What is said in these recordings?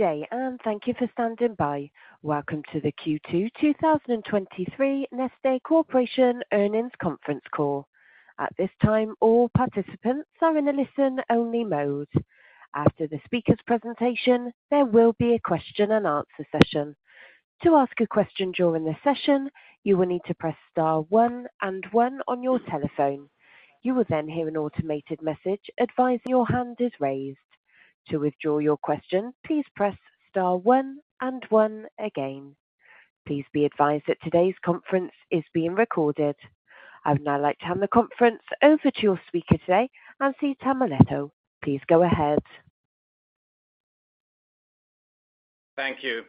Good day. Thank you for standing by. Welcome to the Q2 2023 Neste Corporation Earnings Conference Call. At this time, all participants are in a listen-only mode. After the speaker's presentation, there will be a question and answer session. To ask a question during the session, you will need to press star one and one on your telephone. You will hear an automated message advising your hand is raised. To withdraw your question, please press star one and one again. Please be advised that today's conference is being recorded. I would now like to hand the conference over to your speaker today, Anssi Tammilehto. Please go ahead. Thank you.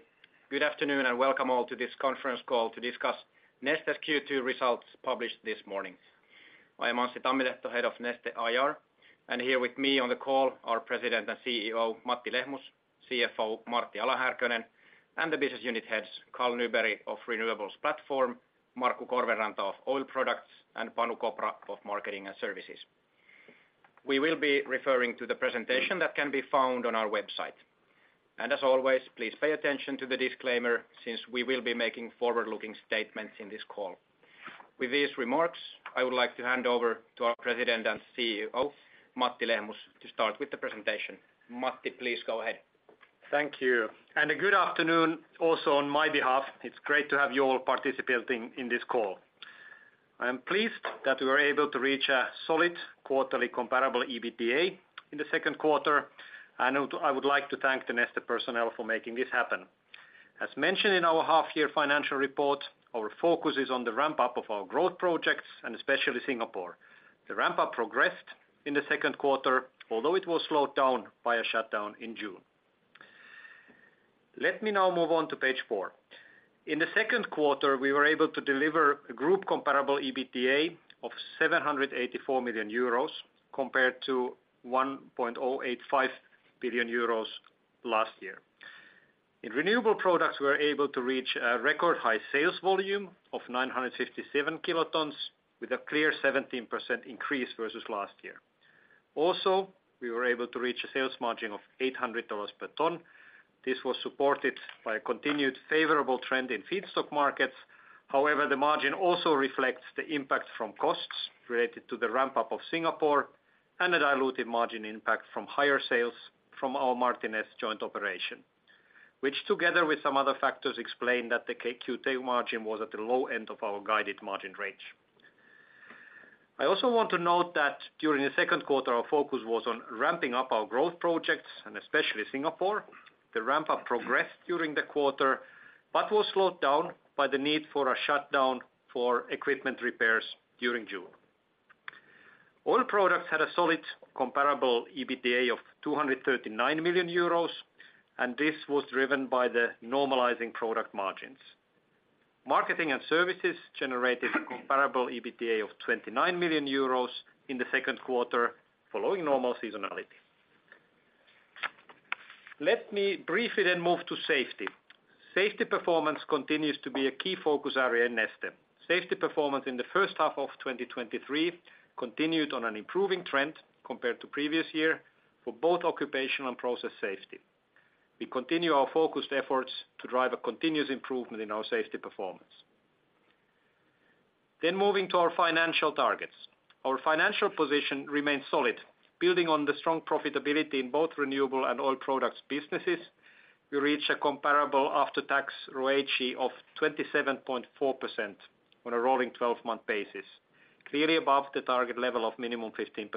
Good afternoon, and welcome all to this conference call to discuss Neste's Q2 results published this morning. I am Anssi Tammilehto, Head of Neste Investor Relations, and here with me on the call are President and CEO, Matti Lehmus, CFO, Martti Ala-Härkönen, and the business unit heads, Carl Nyberg of Renewables Platform, Markku Korvenranta of Oil Products, and Panu Kopra of Marketing and Services. We will be referring to the presentation that can be found on our website. As always, please pay attention to the disclaimer, since we will be making forward-looking statements in this call. With these remarks, I would like to hand over to our President and CEO, Matti Lehmus, to start with the presentation. Matti, please go ahead. Thank you. A good afternoon also on my behalf. It's great to have you all participating in this call. I am pleased that we were able to reach a solid, quarterly comparable EBITDA in the second quarter, and I would like to thank the Neste personnel for making this happen. As mentioned in our half-year financial report, our focus is on the ramp-up of our growth projects, and especially Singapore. The ramp-up progressed in the second quarter, although it was slowed down by a shutdown in June. Let me now move on to page four. In the second quarter, we were able to deliver a group comparable EBITDA of 784 million euros, compared to 1.085 billion euros last year. In Renewable Products, we were able to reach a record high sales volume of 957 kilotons, with a clear 17% increase versus last year. Also, we were able to reach a sales margin of $800 per ton. This was supported by a continued favorable trend in feedstock markets. However, the margin also reflects the impact from costs related to the ramp-up of Singapore and a dilutive margin impact from higher sales from our Martinez joint operation, which together with some other factors, explain that the Q2 margin was at the low end of our guided margin range. I also want to note that during the second quarter, our focus was on ramping up our growth projects, and especially Singapore. The ramp-up progressed during the quarter, but was slowed down by the need for a shutdown for equipment repairs during June. Oil Products had a solid comparable EBITDA of 239 million euros. This was driven by the normalizing product margins. Marketing & Services generated a comparable EBITDA of 29 million euros in the second quarter, following normal seasonality. Let me briefly move to safety. Safety performance continues to be a key focus area in Neste. Safety performance in the first half of 2023 continued on an improving trend compared to previous year for both occupational and process safety. We continue our focused efforts to drive a continuous improvement in our safety performance. Moving to our financial targets. Our financial position remains solid, building on the strong profitability in both renewable and Oil Products businesses. We reach a comparable after-tax ROACE of 27.4% on a rolling 12-month basis, clearly above the target level of minimum 15%.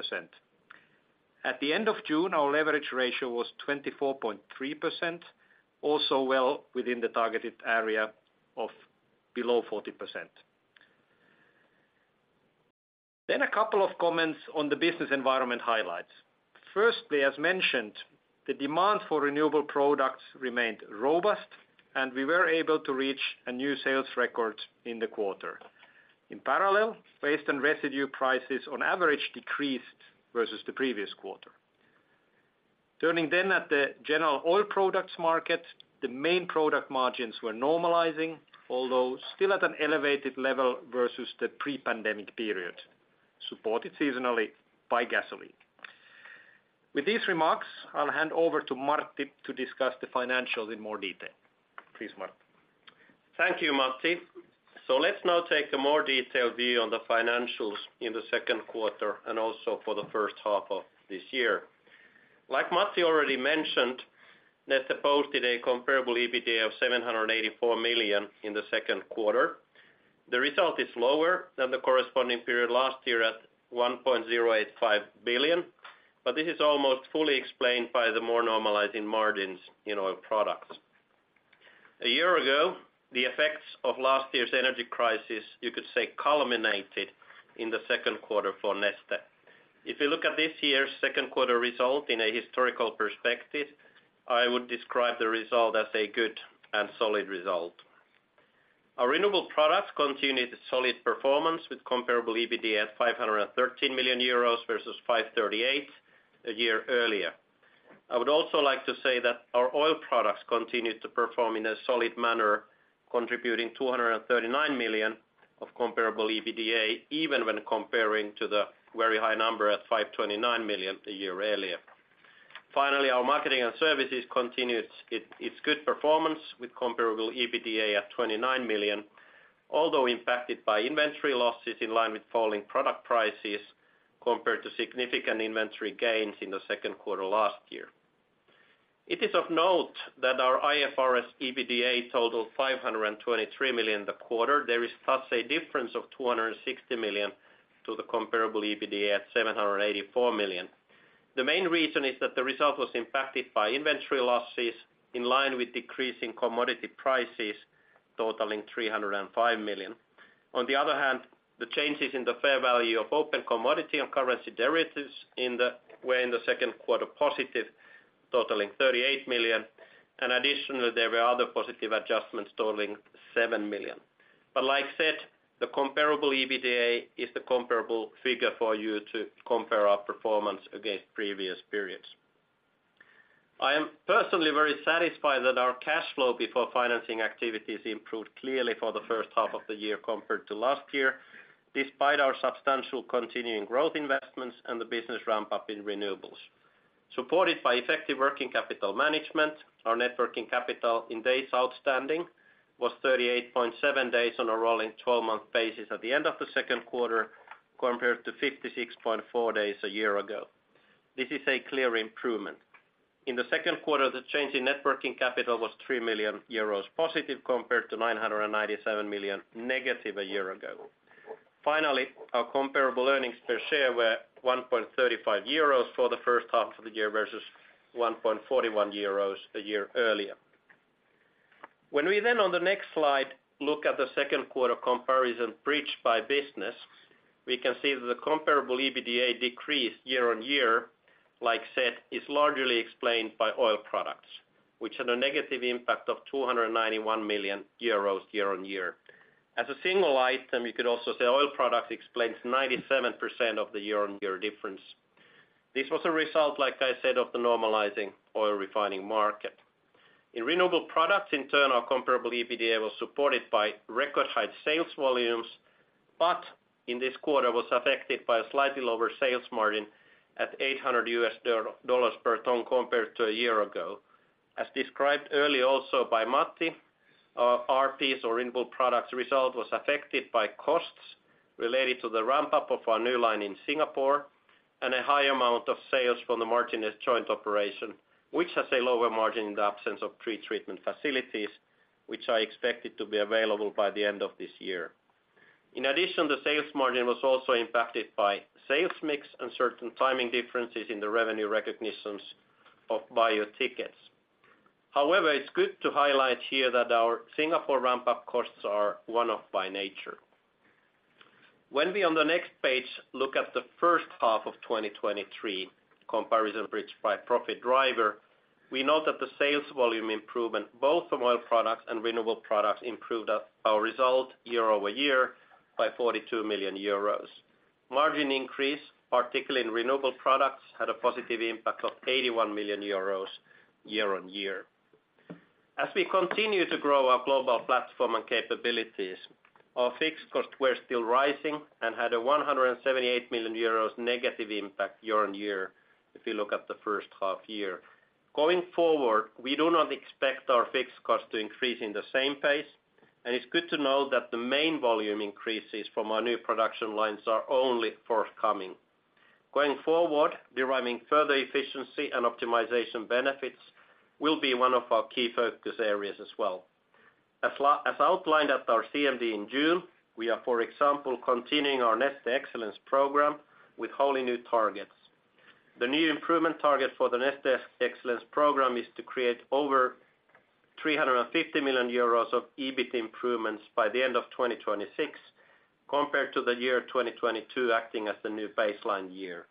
At the end of June, our leverage ratio was 24.3%, also well within the targeted area of below 40%. A couple of comments on the business environment highlights. Firstly, as mentioned, the demand for Renewable Products remained robust, and we were able to reach a new sales record in the quarter. In parallel, waste and residue prices on average decreased versus the previous quarter. Turning then at the general Oil Products market, the main product margins were normalizing, although still at an elevated level versus the pre-pandemic period, supported seasonally by gasoline. With these remarks, I'll hand over to Martti to discuss the financials in more detail. Please, Martti. Thank you, Matti. Let's now take a more detailed view on the financials in the second quarter and also for the first half of this year. Like Matti already mentioned, Neste posted a comparable EBITDA of 784 million in the second quarter. The result is lower than the corresponding period last year at 1.085 billion, but this is almost fully explained by the more normalizing margins in Oil Products. A year ago, the effects of last year's energy crisis, you could say, culminated in the second quarter for Neste. If you look at this year's second quarter result in a historical perspective, I would describe the result as a good and solid result. Our Renewable Products continued solid performance with comparable EBITDA at 513 million euros versus 538 a year earlier. I would also like to say that our Oil Products continued to perform in a solid manner, contributing 239 million of comparable EBITDA, even when comparing to the very high number at 529 million a year earlier. Finally, our Marketing and Services continued its good performance with comparable EBITDA at 29 million, although impacted by inventory losses in line with falling product prices compared to significant inventory gains in the second quarter last year. It is of note that our IFRS EBITDA totaled 523 million the quarter. There is thus a difference of 260 million to the comparable EBITDA at 784 million. The main reason is that the result was impacted by inventory losses in line with decreasing commodity prices, totaling 305 million. On the other hand, the changes in the fair value of open commodity and currency derivatives were in the second quarter positive, totaling 38 million, and additionally, there were other positive adjustments totaling 7 million. Like I said, the comparable EBITDA is the comparable figure for you to compare our performance against previous periods. I am personally very satisfied that our cash flow before financing activities improved clearly for the first half of the year compared to last year, despite our substantial continuing growth investments and the business ramp-up in renewables. Supported by effective working capital management, our networking capital in days outstanding was 38.7 days on a rolling 12-month basis at the end of the second quarter, compared to 56.4 days a year ago. This is a clear improvement. In the second quarter, the change in networking capital was 3 million euros positive compared to 997 million negative a year ago. Our comparable earnings per share were 1.35 euros for the first half of the year versus 1.41 euros a year earlier. We then, on the next slide, look at the second quarter comparison bridged by business, we can see that the comparable EBITDA decreased year-on-year, like said, is largely explained by Oil Products, which had a negative impact of 291 million euros year-on-year. As a single item, you could also say Oil Products explains 97% of the year-on-year difference. This was a result, like I said, of the normalizing oil refining market. In Renewable Products, in turn, our comparable EBITDA was supported by record high sales volumes, but in this quarter was affected by a slightly lower sales margin at $800 per ton compared to a year ago. As described earlier, also by Matti, RPs or Renewable Products result was affected by costs related to the ramp-up of our new line in Singapore, and a high amount of sales from the margin as joint operation, which has a lower margin in the absence of pretreatment facilities, which I expected to be available by the end of this year. In addition, the sales margin was also impacted by sales mix and certain timing differences in the revenue recognitions of biofuel tickets. However, it's good to highlight here that our Singapore ramp-up costs are one-off by nature. When we, on the next page, look at the first half of 2023 comparison bridged by profit driver, we note that the sales volume improvement, both from Oil Products and Renewable Products, improved our result year-over-year by 42 million euros. Margin increase, particularly in Renewable Products, had a positive impact of 81 million euros year-on-year. As we continue to grow our global platform and capabilities, our fixed costs were still rising and had a 178 million euros negative impact year-on-year, if you look at the first half year. Going forward, we do not expect our fixed cost to increase in the same pace, and it's good to know that the main volume increases from our new production lines are only forthcoming. Going forward, deriving further efficiency and optimization benefits will be one of our key focus areas as well. As outlined at our CMD in June, we are, for example, continuing our Neste Excellence Program with wholly new targets. The new improvement target for the Neste Excellence Program is to create over 350 million euros of EBIT improvements by the end of 2026, compared to the year 2022, acting as the new baseline year.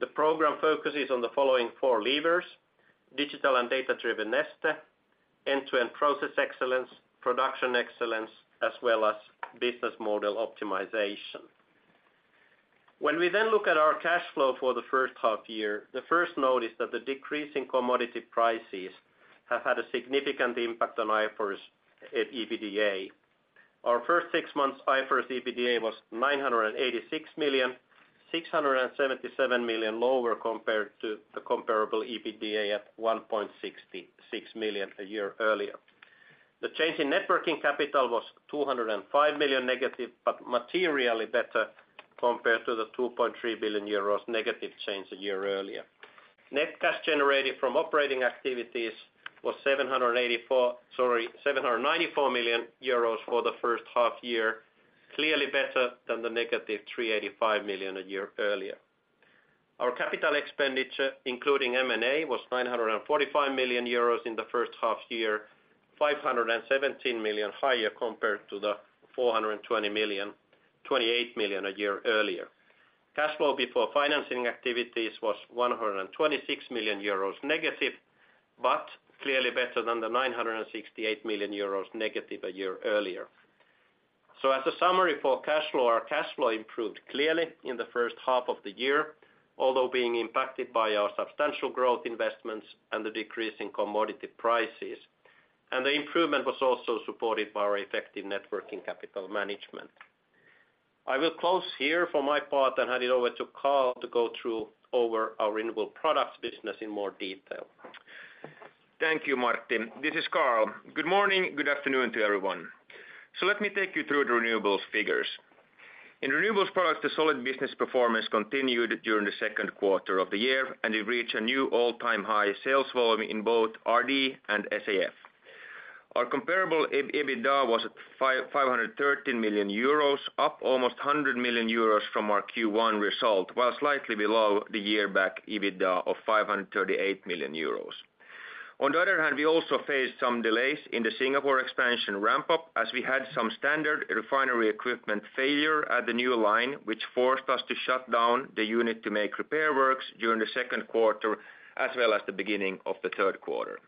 The program focuses on the following four levers: digital and data-driven Neste, end-to-end process excellence, production excellence, as well as business model optimization. When we then look at our cash flow for the first half year, the first note is that the decrease in commodity prices have had a significant impact on IFRS EBITDA. Our first six months, IFRS EBITDA was 986 million, 677 million lower compared to the comparable EBITDA at 1.66 million a year earlier. The change in networking capital was 205 million negative, but materially better compared to the 2.3 billion euros negative change a year earlier. Net cash generated from operating activities was 794 million euros for the first half year, clearly better than the negative 385 million a year earlier. Our capital expenditure, including M&A, was 945 million euros in the first half year, 517 million higher compared to the 428 million a year earlier. Cash flow before financing activities was 126 million euros negative, but clearly better than the 968 million euros negative a year earlier. As a summary for cash flow, our cash flow improved clearly in the first half of the year, although being impacted by our substantial growth investments and the decrease in commodity prices. The improvement was also supported by our effective networking capital management. I will close here for my part and hand it over to Carl to go through over our renewable products business in more detail. Thank you, Martti. This is Carl. Good morning, good afternoon to everyone. Let me take you through the renewables figures. In Renewable Products, the solid business performance continued during the second quarter of the year, and we reached a new all-time high sales volume in both RD and SAF. Our comparable EBITDA was at 513 million euros, up almost 100 million euros from our Q1 result, while slightly below the year back EBITDA of 538 million euros. We also faced some delays in the Singapore expansion ramp-up, as we had some standard refinery equipment failure at the new line, which forced us to shut down the unit to make repair works during the second quarter, as well as the beginning of the third quarter.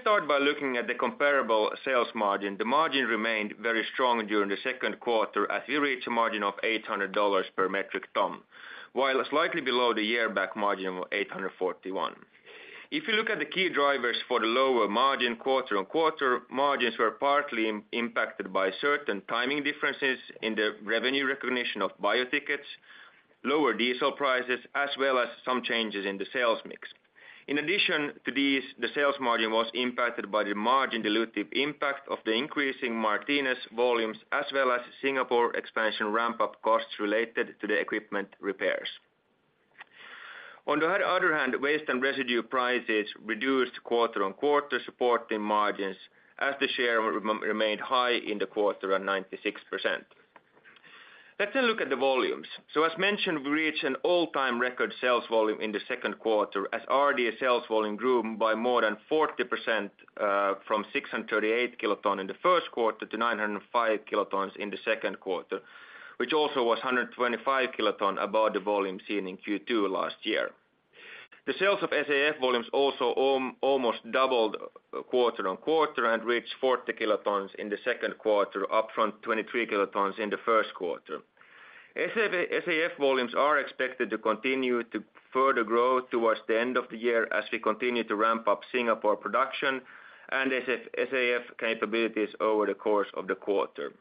Start by looking at the comparable sales margin, the margin remained very strong during the second quarter as we reached a margin of $800 per metric ton, while slightly below the year-back margin of $841. If you look at the key drivers for the lower margin, quarter-on-quarter, margins were partly impacted by certain timing differences in the revenue recognition of biofuel tickets, lower diesel prices, as well as some changes in the sales mix. In addition to these, the sales margin was impacted by the margin dilutive impact of the increasing Martinez volumes, as well as Singapore expansion ramp-up costs related to the equipment repairs. On the other hand, waste and residue prices reduced quarter-on-quarter, supporting margins as the share remained high in the quarter at 96%. Let's look at the volumes. As mentioned, we reached an all-time record sales volume in the second quarter, as RD sales volume grew by more than 40%, from 638 kiloton in the first quarter to 905 kilotons in the second quarter, which also was 125 kiloton above the volume seen in Q2 last year. The sales of SAF volumes also almost doubled quarter on quarter and reached 40 kilotons in the second quarter, up from 23 kilotons in the first quarter. SAF volumes are expected to continue to further grow towards the end of the year as we continue to ramp-up Singapore production and SAF capabilities over the course of the quarter.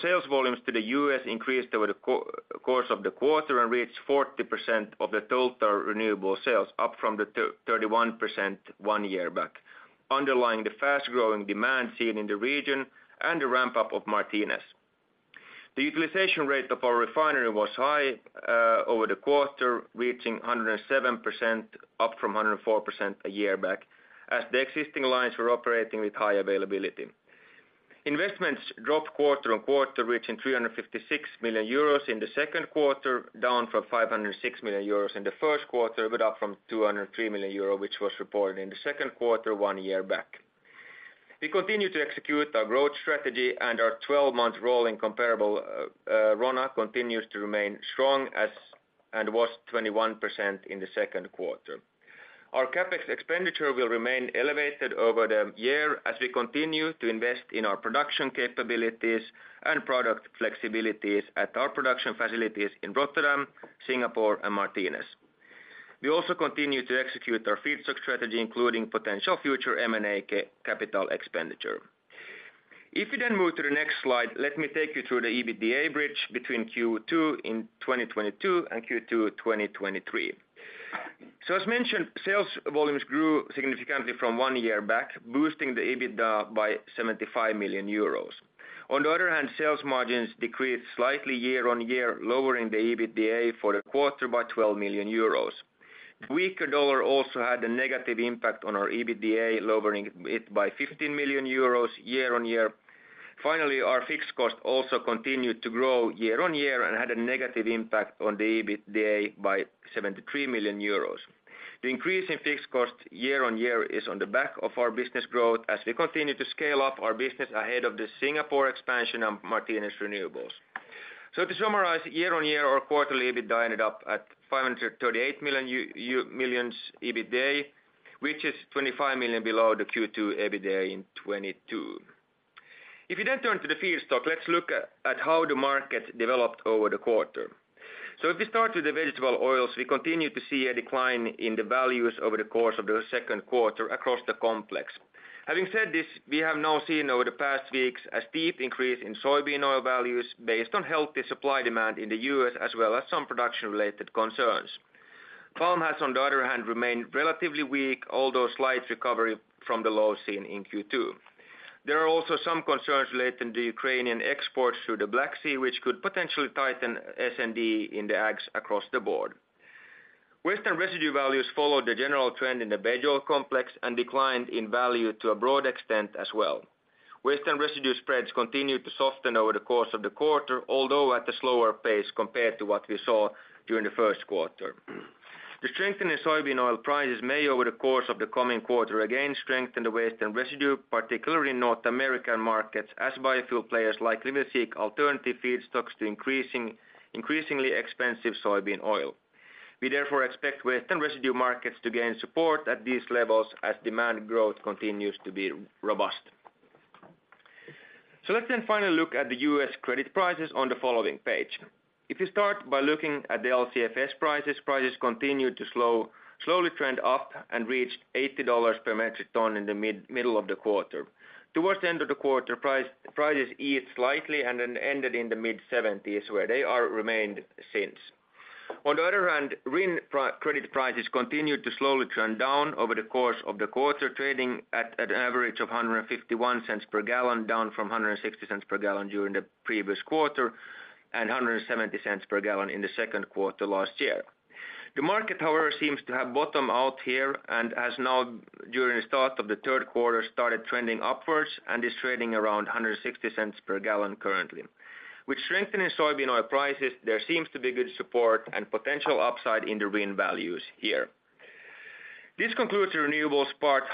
Sales volumes to the U.S. increased over the course of the quarter and reached 40% of the total renewable sales, up from 31% one year back, underlying the fast-growing demand seen in the region and the ramp-up of Martinez. The utilization rate of our refinery was high over the quarter, reaching 107%, up from 104% a year back, as the existing lines were operating with high availability. Investments dropped quarter-on-quarter, reaching 356 million euros in the second quarter, down from 506 million euros in the first quarter, up from 203 million euros, which was reported in the second quarter, one year back. We continue to execute our growth strategy. Our 12-month rolling comparable RONA continues to remain strong, and was 21% in the second quarter. Our CapEx expenditure will remain elevated over the year as we continue to invest in our production capabilities and product flexibilities at our production facilities in Rotterdam, Singapore, and Martinez. We also continue to execute our feedstock strategy, including potential future M&A capital expenditure. Let me take you through the EBITDA bridge between Q2 in 2022 and Q2 2023. As mentioned, sales volumes grew significantly from one year back, boosting the EBITDA by 75 million euros. On the other hand, sales margins decreased slightly year-on-year, lowering the EBITDA for the quarter by 12 million euros. The weaker dollar also had a negative impact on our EBITDA, lowering it by 15 million euros year-on-year. Our fixed cost also continued to grow year-on-year and had a negative impact on the EBITDA by 73 million euros. The increase in fixed cost year-on-year is on the back of our business growth as we continue to scale up our business ahead of the Singapore expansion and Martinez Renewables. To summarize, year-on-year, our quarterly EBITDA ended up at 538 million EBITDA, which is 25 million below the Q2 EBITDA in 2022. If you turn to the feedstock, let's look at how the market developed over the quarter. If we start with the vegetable oils, we continue to see a decline in the values over the course of the second quarter across the complex. Having said this, we have now seen over the past weeks, a steep increase in soybean oil values based on healthy supply demand in the U.S., as well as some production-related concerns. Palm has, on the other hand, remained relatively weak, although slight recovery from the low seen in Q2. There are also some concerns relating to Ukrainian exports through the Black Sea, which could potentially tighten S&D in the acts across the board. Waste and residue values followed the general trend in the vege oil complex and declined in value to a broad extent as well. Waste and residue spreads continued to soften over the course of the quarter, although at a slower pace compared to what we saw during the first quarter. The strengthening soybean oil prices may, over the course of the coming quarter, again, strengthen the waste and residue, particularly in North American markets, as biofuel players likely will seek alternative feedstocks to increasingly expensive soybean oil. We therefore expect waste and residue markets to gain support at these levels as demand growth continues to be robust. Let's then finally look at the U.S. credit prices on the following page. You start by looking at the LCFS prices, prices continued to slowly trend up and reached $80 per metric ton in the middle of the quarter. Towards the end of the quarter, prices eased slightly and then ended in the mid-70s, where they are remained since. On the other hand, RIN credit prices continued to slowly trend down over the course of the quarter, trading at an average of $1.51 per gallon, down from $1.60 per gallon during the previous quarter, and $1.70 per gallon in the second quarter last year. The market, however, seems to have bottomed out here, and has now, during the start of the third quarter, started trending upwards and is trading around 160 cents per gallon currently. With strengthening soybean oil prices, there seems to be good support and potential upside in the RIN values here. This concludes the Renewables part.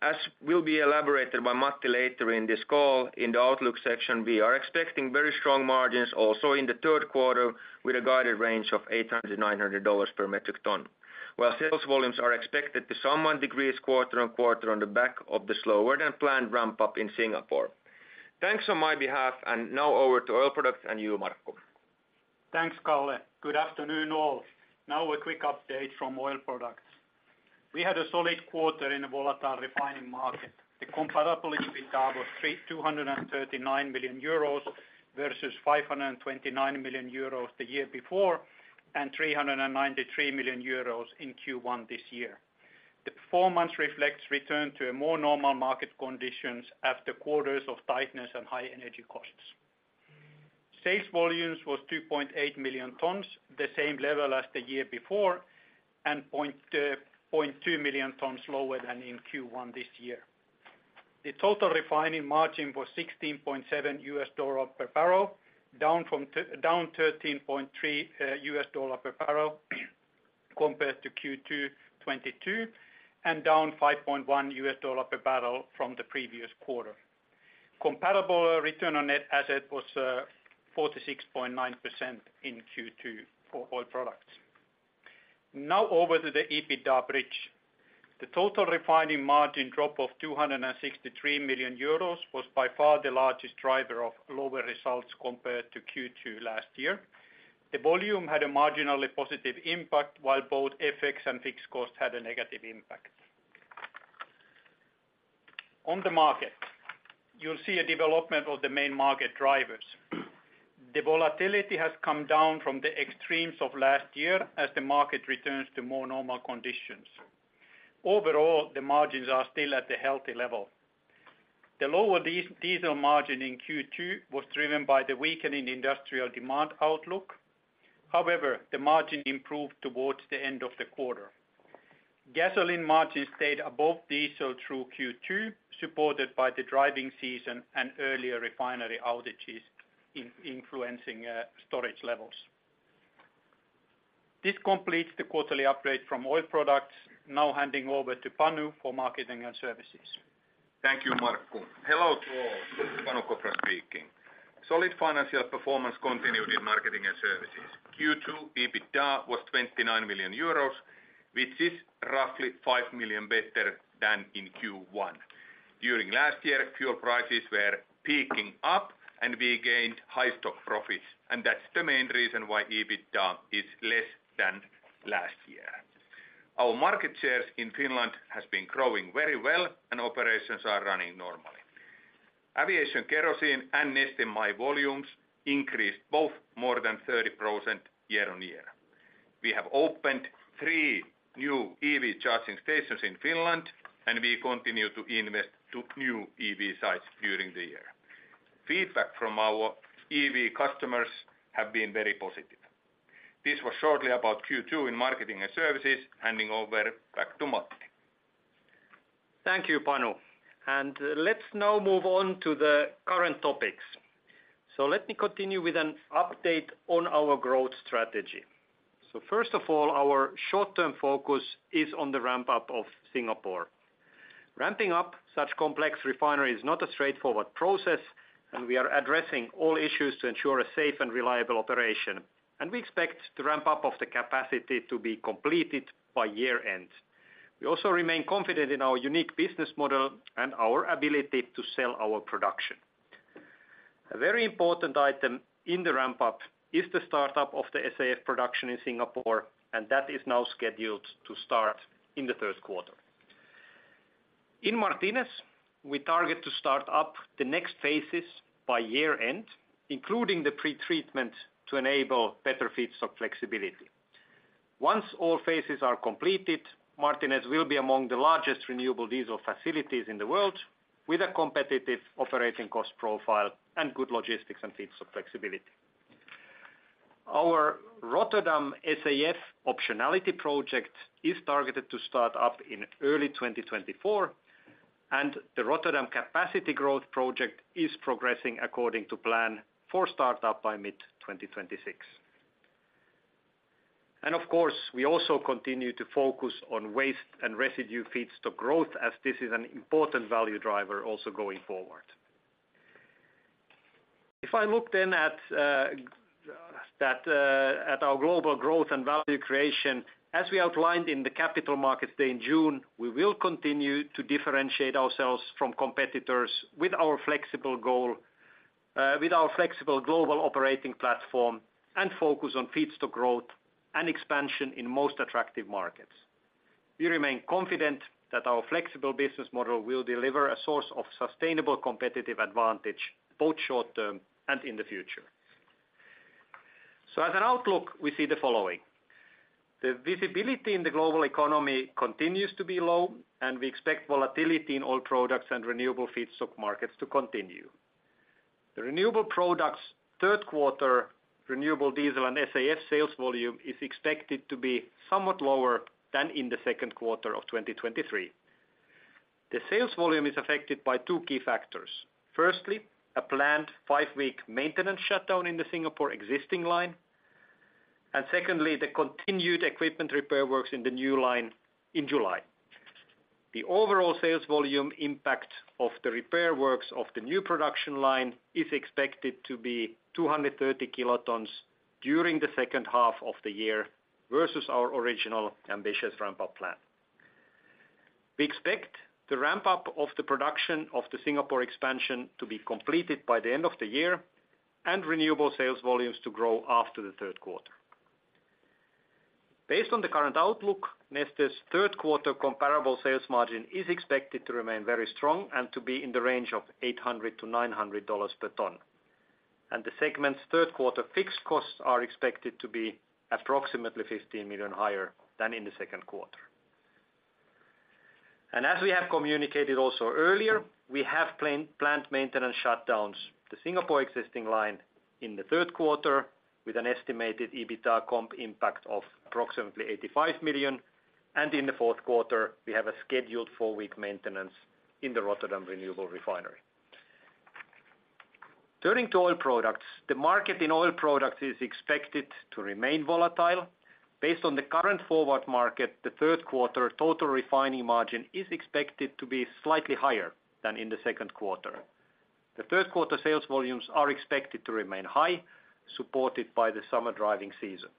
As will be elaborated by Matti later in this call, in the outlook section, we are expecting very strong margins also in the third quarter, with a guided range of $800 to $900 per metric ton. Sales volumes are expected to somewhat decrease quarter-on-quarter on the back of the slower than planned ramp-up in Singapore. Thanks on my behalf. Now over to Oil Products, and you, Markku. Thanks, Carl. Good afternoon, all. A quick update from Oil Products. We had a solid quarter in a volatile refining market. The comparable EBITDA was 239 million euros, versus 529 million euros the year before, and 393 million euros in Q1 this year. The performance reflects return to a more normal market conditions after quarters of tightness and high energy costs. Sales volumes was 2.8 million tons, the same level as the year before, and 0.2 million tons lower than in Q1 this year. The total refining margin was $16.7 per barrel, down from $13.3 per barrel compared to Q2 2022, and down $5.1 per barrel from the previous quarter. Compatible return on net asset was 46.9% in Q2 for Oil Products. Over to the EBITDA bridge. The total refining margin drop of 263 million euros was by far the largest driver of lower results compared to Q2 last year. The volume had a marginally positive impact, while both FX and fixed costs had a negative impact. On the market, you'll see a development of the main market drivers. The volatility has come down from the extremes of last year as the market returns to more normal conditions. Overall, the margins are still at a healthy level. The lower diesel margin in Q2 was driven by the weakening industrial demand outlook. However, the margin improved towards the end of the quarter. Gasoline margins stayed above diesel through Q2, supported by the driving season and earlier refinery outages influencing storage levels. This completes the quarterly upgrade from Oil Products. Handing over to Panu for Marketing & Services. Thank you, Markku. Hello to all, Panu Kopra speaking. Solid financial performance continued in Marketing and Services. Q2 EBITDA was 29 million euros, which is roughly 5 million better than in Q1. During last year, fuel prices were peaking up, and we gained high stock profits, and that's the main reason why EBITDA is less than last year. Our market shares in Finland has been growing very well, and operations are running normally. Aviation kerosene and Neste MY volumes increased both more than 30% year-over-year. We have opened three new EV charging stations in Finland, and we continue to invest to new EV sites during the year. Feedback from our EV customers have been very positive. This was shortly about Q2 in Marketing and Services. Handing over back to Matti. Thank you, Panu. Let's now move on to the current topics. Let me continue with an update on our growth strategy. First of all, our short-term focus is on the ramp-up of Singapore. Ramping up such complex refinery is not a straightforward process. We are addressing all issues to ensure a safe and reliable operation, and we expect the ramp-up of the capacity to be completed by year-end. We also remain confident in our unique business model and our ability to sell our production. A very important item in the ramp-up is the startup of the SAF production in Singapore. That is now scheduled to start in the third quarter. In Martinez, we target to start up the next phases by year-end, including the pretreatment, to enable better feedstock flexibility. Once all phases are completed, Martinez will be among the largest renewable diesel facilities in the world, with a competitive operating cost profile and good logistics and feedstock flexibility. Our Rotterdam SAF optionality project is targeted to start up in early 2024. The Rotterdam capacity growth project is progressing according to plan for startup by mid-2026. Of course, we also continue to focus on waste and residue feedstock growth, as this is an important value driver, also going forward. If I look then at our global growth and value creation, as we outlined in the capital markets day in June, we will continue to differentiate ourselves from competitors with our flexible goal, with our flexible global operating platform, and focus on feedstock growth and expansion in most attractive markets. We remain confident that our flexible business model will deliver a source of sustainable competitive advantage, both short-term and in the future. As an outlook, we see the following: The visibility in the global economy continues to be low, and we expect volatility in Oil Products and renewable feedstock markets to continue. The Renewable Products' third quarter, Renewable Diesel and SAF sales volume, is expected to be somewhat lower than in the second quarter of 2023. The sales volume is affected by two key factors. Firstly, a planned five-week maintenance shutdown in the Singapore existing line, and secondly, the continued equipment repair works in the new line in July. The overall sales volume impact of the repair works of the new production line is expected to be 230 kilotons during the second half of the year, versus our original ambitious ramp-up plan. We expect the ramp-up of the production of the Singapore expansion to be completed by the end of the year, and renewable sales volumes to grow after the third quarter. Based on the current outlook, Neste's third quarter comparable sales margin is expected to remain very strong and to be in the range of $800 to $900 per ton. The segment's third quarter fixed costs are expected to be approximately $15 million higher than in the second quarter. As we have communicated also earlier, we have planned maintenance shutdowns to Singapore existing line in the third quarter, with an estimated EBITDA comp impact of approximately $85 million, and in the fourth quarter, we have a scheduled four-week maintenance in the Rotterdam renewable refinery. Turning to Oil Products, the market in Oil Products is expected to remain volatile. Based on the current forward market, the third quarter total refining margin is expected to be slightly higher than in the second quarter. The third quarter sales volumes are expected to remain high, supported by the summer driving season.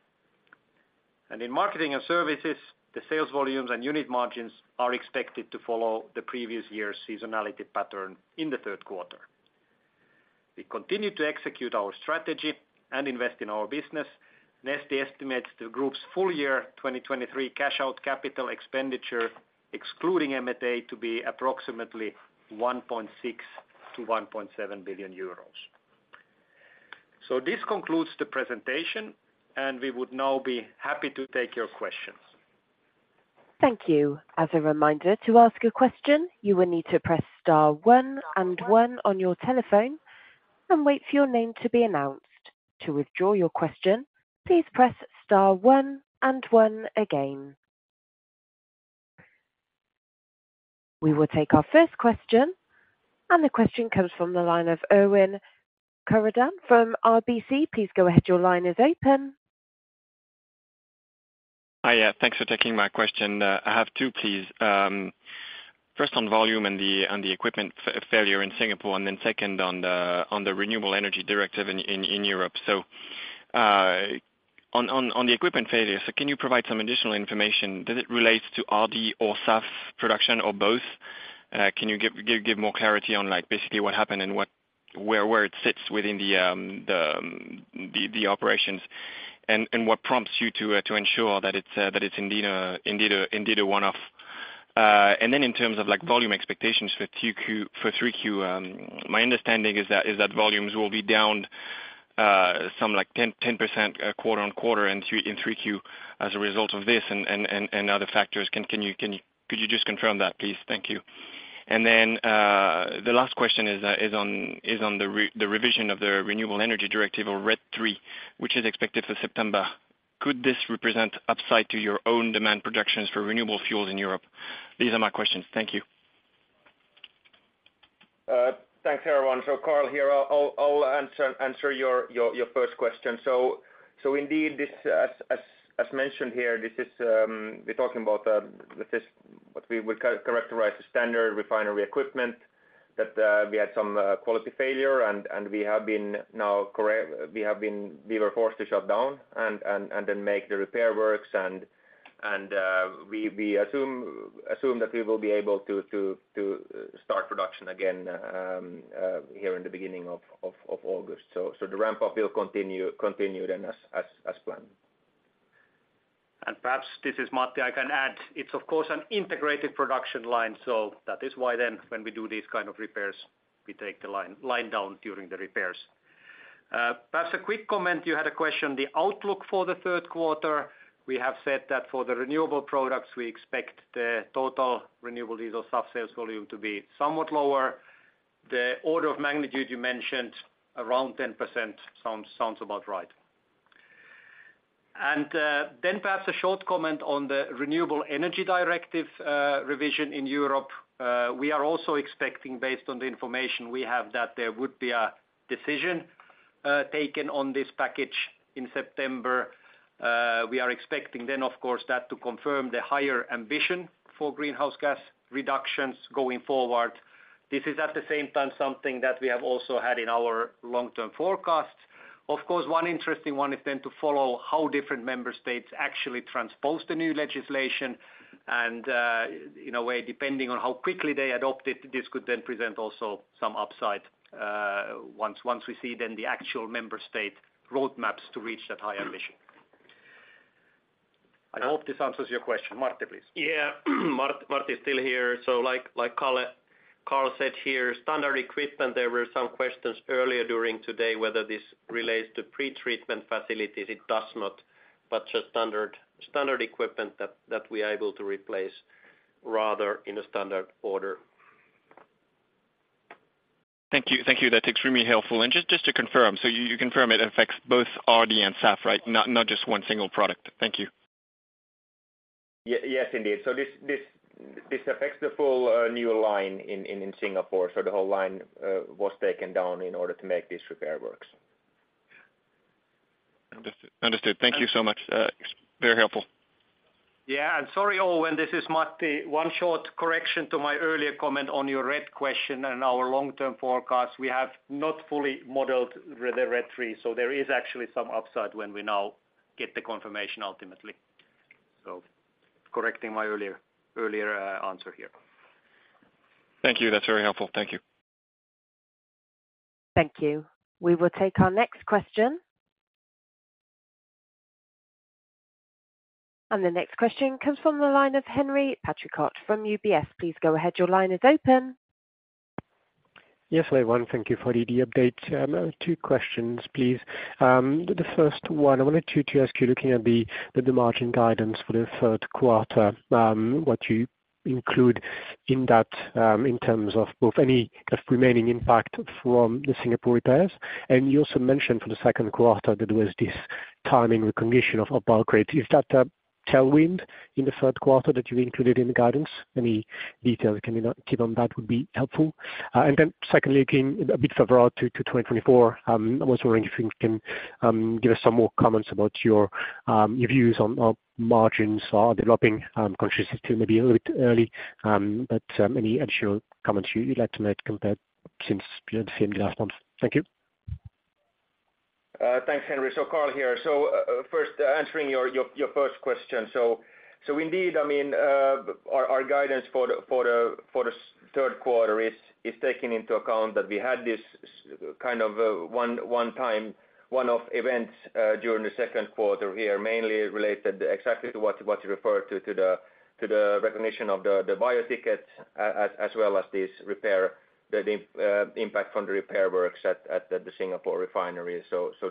In Marketing and Services, the sales volumes and unit margins are expected to follow the previous year's seasonality pattern in the third quarter. We continue to execute our strategy and invest in our business. Neste estimates the group's full year 2023 cash-out capital expenditure, excluding M&A, to be approximately 1.6 billion to 1.7 billion euros. This concludes the presentation, and we would now be happy to take your questions. Thank you. As a reminder, to ask a question, you will need to press star one and one on your telephone and wait for your name to be announced. To withdraw your question, please press star one and one again. We will take our first question. The question comes from the line of Erwan Kerouredan from RBC. Please go ahead. Your line is open. Hi, thanks for taking my question. I have two, please. First, on volume and the equipment failure in Singapore, and then second on the Renewable Energy Directive in Europe. On the equipment failure, can you provide some additional information? Does it relate to RD or SAF production or both? Can you give more clarity on, like, basically what happened and what, where it sits within the operations? What prompts you to ensure that it's indeed a one-off? In terms of, like, volume expectations for 3Q, my understanding is that volumes will be down some like 10% quarter-on-quarter in 3Q as a result of this and other factors. Could you just confirm that, please? Thank you. The last question is on the revision of the Renewable Energy Directive or RED III, which is expected for September. Could this represent upside to your own demand projections for renewable fuels in Europe? These are my questions. Thank you. Thanks, everyone. Carl here. I'll answer your first question. Indeed, this, as mentioned here, this is, we're talking about this, what we would characterize the standard refinery equipment, that we had some quality failure, and we were forced to shut down and then make the repair works. We assume that we will be able to start production again here in the beginning of August. The ramp-up will continue then as planned. Perhaps this is Matti. I can add, it's of course, an integrated production line, that is why then when we do these kind of repairs, we take the line down during the repairs. Perhaps a quick comment, you had a question, the outlook for the third quarter. We have said that for the Renewable Products, we expect the total Renewable Diesel soft sales volume to be somewhat lower. The order of magnitude you mentioned, around 10%, sounds about right. Perhaps a short comment on the Renewable Energy Directive revision in Europe. We are also expecting, based on the information we have, that there would be a decision taken on this package in September. We are expecting, of course, that to confirm the higher ambition for greenhouse gas reductions going forward. This is, at the same time, something that we have also had in our long-term forecasts. Of course, one interesting one is to follow how different member states actually transpose the new legislation, and in a way, depending on how quickly they adopt it, this could then present also some upside once we see then the actual member state roadmaps to reach that high ambition. I hope this answers your question. Martti, please. Martti is still here. like Carl said here, standard equipment, there were some questions earlier during today whether this relates to pre-treatment facilities. It does not, but just standard, standard equipment that we are able to replace rather in a standard order. Thank you, thank you. That's extremely helpful. Just to confirm, you confirm it affects both RD and SAF, right? Not just one single product. Thank you. Yes, indeed. This affects the full new line in Singapore. The whole line was taken down in order to make these repair works. Understood. Thank you so much. It's very helpful. Sorry, Erwan, this is Matti. One short correction to my earlier comment on your RED question and our long-term forecast. We have not fully modeled the RED III, so there is actually some upside when we now get the confirmation ultimately. Correcting my earlier answer here. Thank you. That's very helpful. Thank you. Thank you. We will take our next question. The next question comes from the line of Henri Patricot from UBS. Please go ahead. Your line is open. Yes, everyone, thank you for the update. Two questions, please. The first one, I wanted to ask you, looking at the margin guidance for the third quarter, what you include in that, in terms of both any remaining impact from the Singapore repairs. You also mentioned for the second quarter, there was this timing recognition of uprate. Is that a tailwind in the third quarter that you included in the guidance? Any detail you can give on that would be helpful. Secondly, again, a bit further out to 2024, I was wondering if you can give us some more comments about your views on margins are developing, consciously still maybe a little bit early, but any additional comments you'd like to make compared since the last month? Thank you. Thanks, Henri. Carl here. First, answering your first question. Indeed, I mean, our guidance for the third quarter is taking into account that we had this kind of one-time, one-off events during the second quarter here, mainly related exactly to what you referred to, to the recognition of the biofuel tickets, as well as this repair impact from the repair works at the Singapore refinery.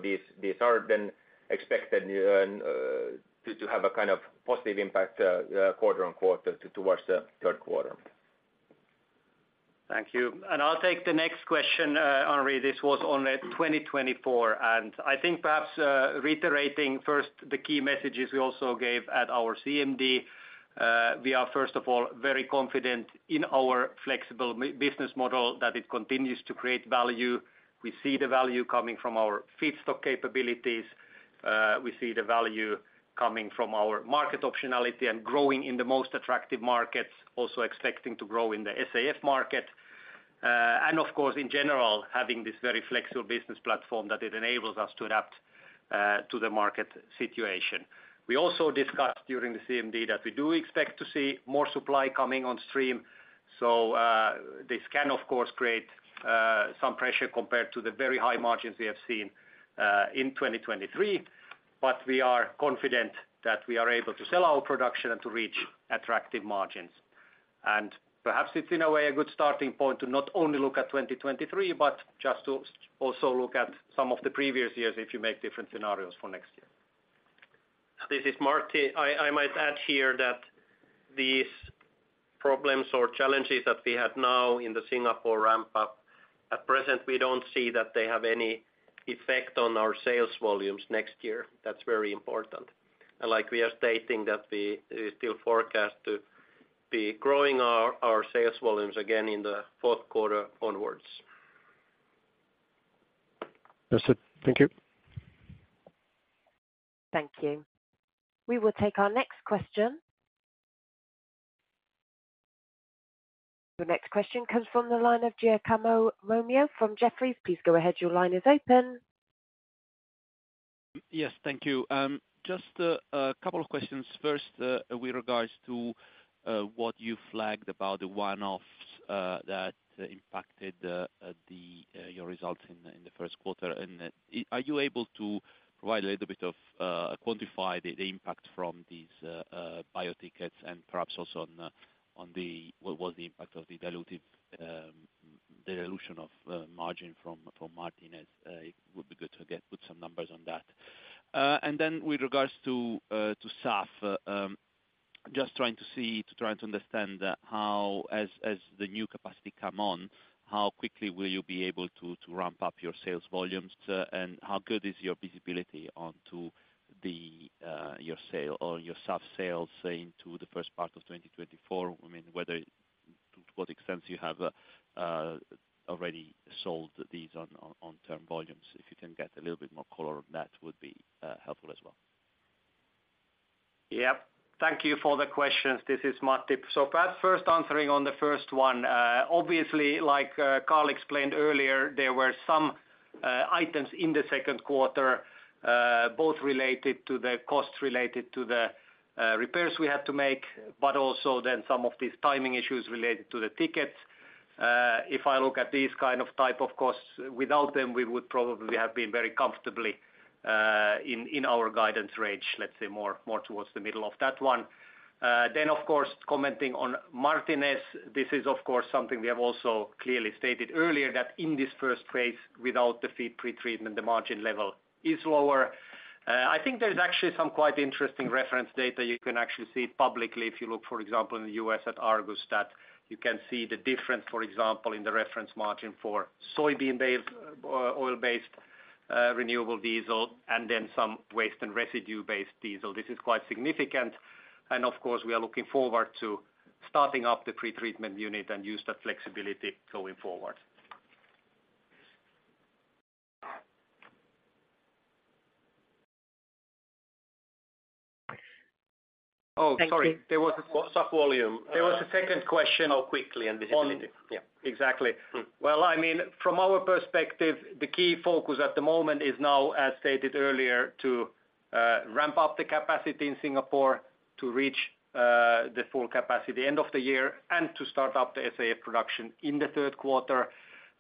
These are then expected to have a kind of positive impact quarter on quarter towards the third quarter. Thank you. I'll take the next question, Henri, this was on 2024, and I think perhaps reiterating first the key messages we also gave at our CMD. We are, first of all, very confident in our flexible business model, that it continues to create value. We see the value coming from our feedstock capabilities. We see the value coming from our market optionality and growing in the most attractive markets, also expecting to grow in the SAF market. Of course, in general, having this very flexible business platform, that it enables us to adapt to the market situation. We also discussed during the CMD that we do expect to see more supply coming on stream, so this can, of course, create some pressure compared to the very high margins we have seen in 2023. We are confident that we are able to sell our production and to reach attractive margins. Perhaps it's, in a way, a good starting point to not only look at 2023, but just to also look at some of the previous years if you make different scenarios for next year. This is Martti. I might add here that these problems or challenges that we have now in the Singapore ramp up, at present, we don't see that they have any effect on our sales volumes next year. That's very important. Like we are stating, that we still forecast to be growing our sales volumes again in the fourth quarter onwards. Understood. Thank you. Thank you. We will take our next question. The next question comes from the line of Giacomo Romeo from Jefferies. Please go ahead. Your line is open. Yes. Thank you. Just a couple of questions. First, with regards to what you flagged about the one-offs that impacted your results in the first quarter. Are you able to provide a little bit of quantify the impact from these biofuel tickets and perhaps also on the, what was the impact of the dilutive dilution of margin from Martinez? It would be good to put some numbers on that. Then with regards to SAF, just trying to see, to try to understand how as the new capacity come on, how quickly will you be able to ramp up your sales volumes? How good is your visibility onto the your sale or your SAF sales, say, into the first part of 2024, I mean? To what extent you have already sold these on term volumes. If you can get a little bit more color on that, would be helpful as well. Yep. Thank you for the questions. This is Martti. Perhaps first answering on the first one. obviously, like, Carl explained earlier, there were some items in the second quarter, both related to the costs related to the repairs we had to make, but also then some of these timing issues related to the tickets. If I look at these kind of type of costs, without them, we would probably have been very comfortably in our guidance range, let's say more, more towards the middle of that one. Of course, commenting on Martinez, this is of course something we have also clearly stated earlier, that in this first phase, without the feed pretreatment, the margin level is lower. I think there's actually some quite interesting reference data you can actually see publicly. If you look, for example, in the U.S., at Argus stat, you can see the difference, for example, in the reference margin for soybean-based, oil-based, renewable diesel and then some waste and residue-based diesel. This is quite significant. Of course, we are looking forward to starting up the pretreatment unit and use that flexibility going forward. Oh, sorry. There was. Sub volume. There was a second question. How quickly and visibility. Yeah, exactly. Mm. Well, I mean, from our perspective, the key focus at the moment is now, as stated earlier, to ramp-up the capacity in Singapore to reach the full capacity end of the year and to start up the SAF production in the third quarter.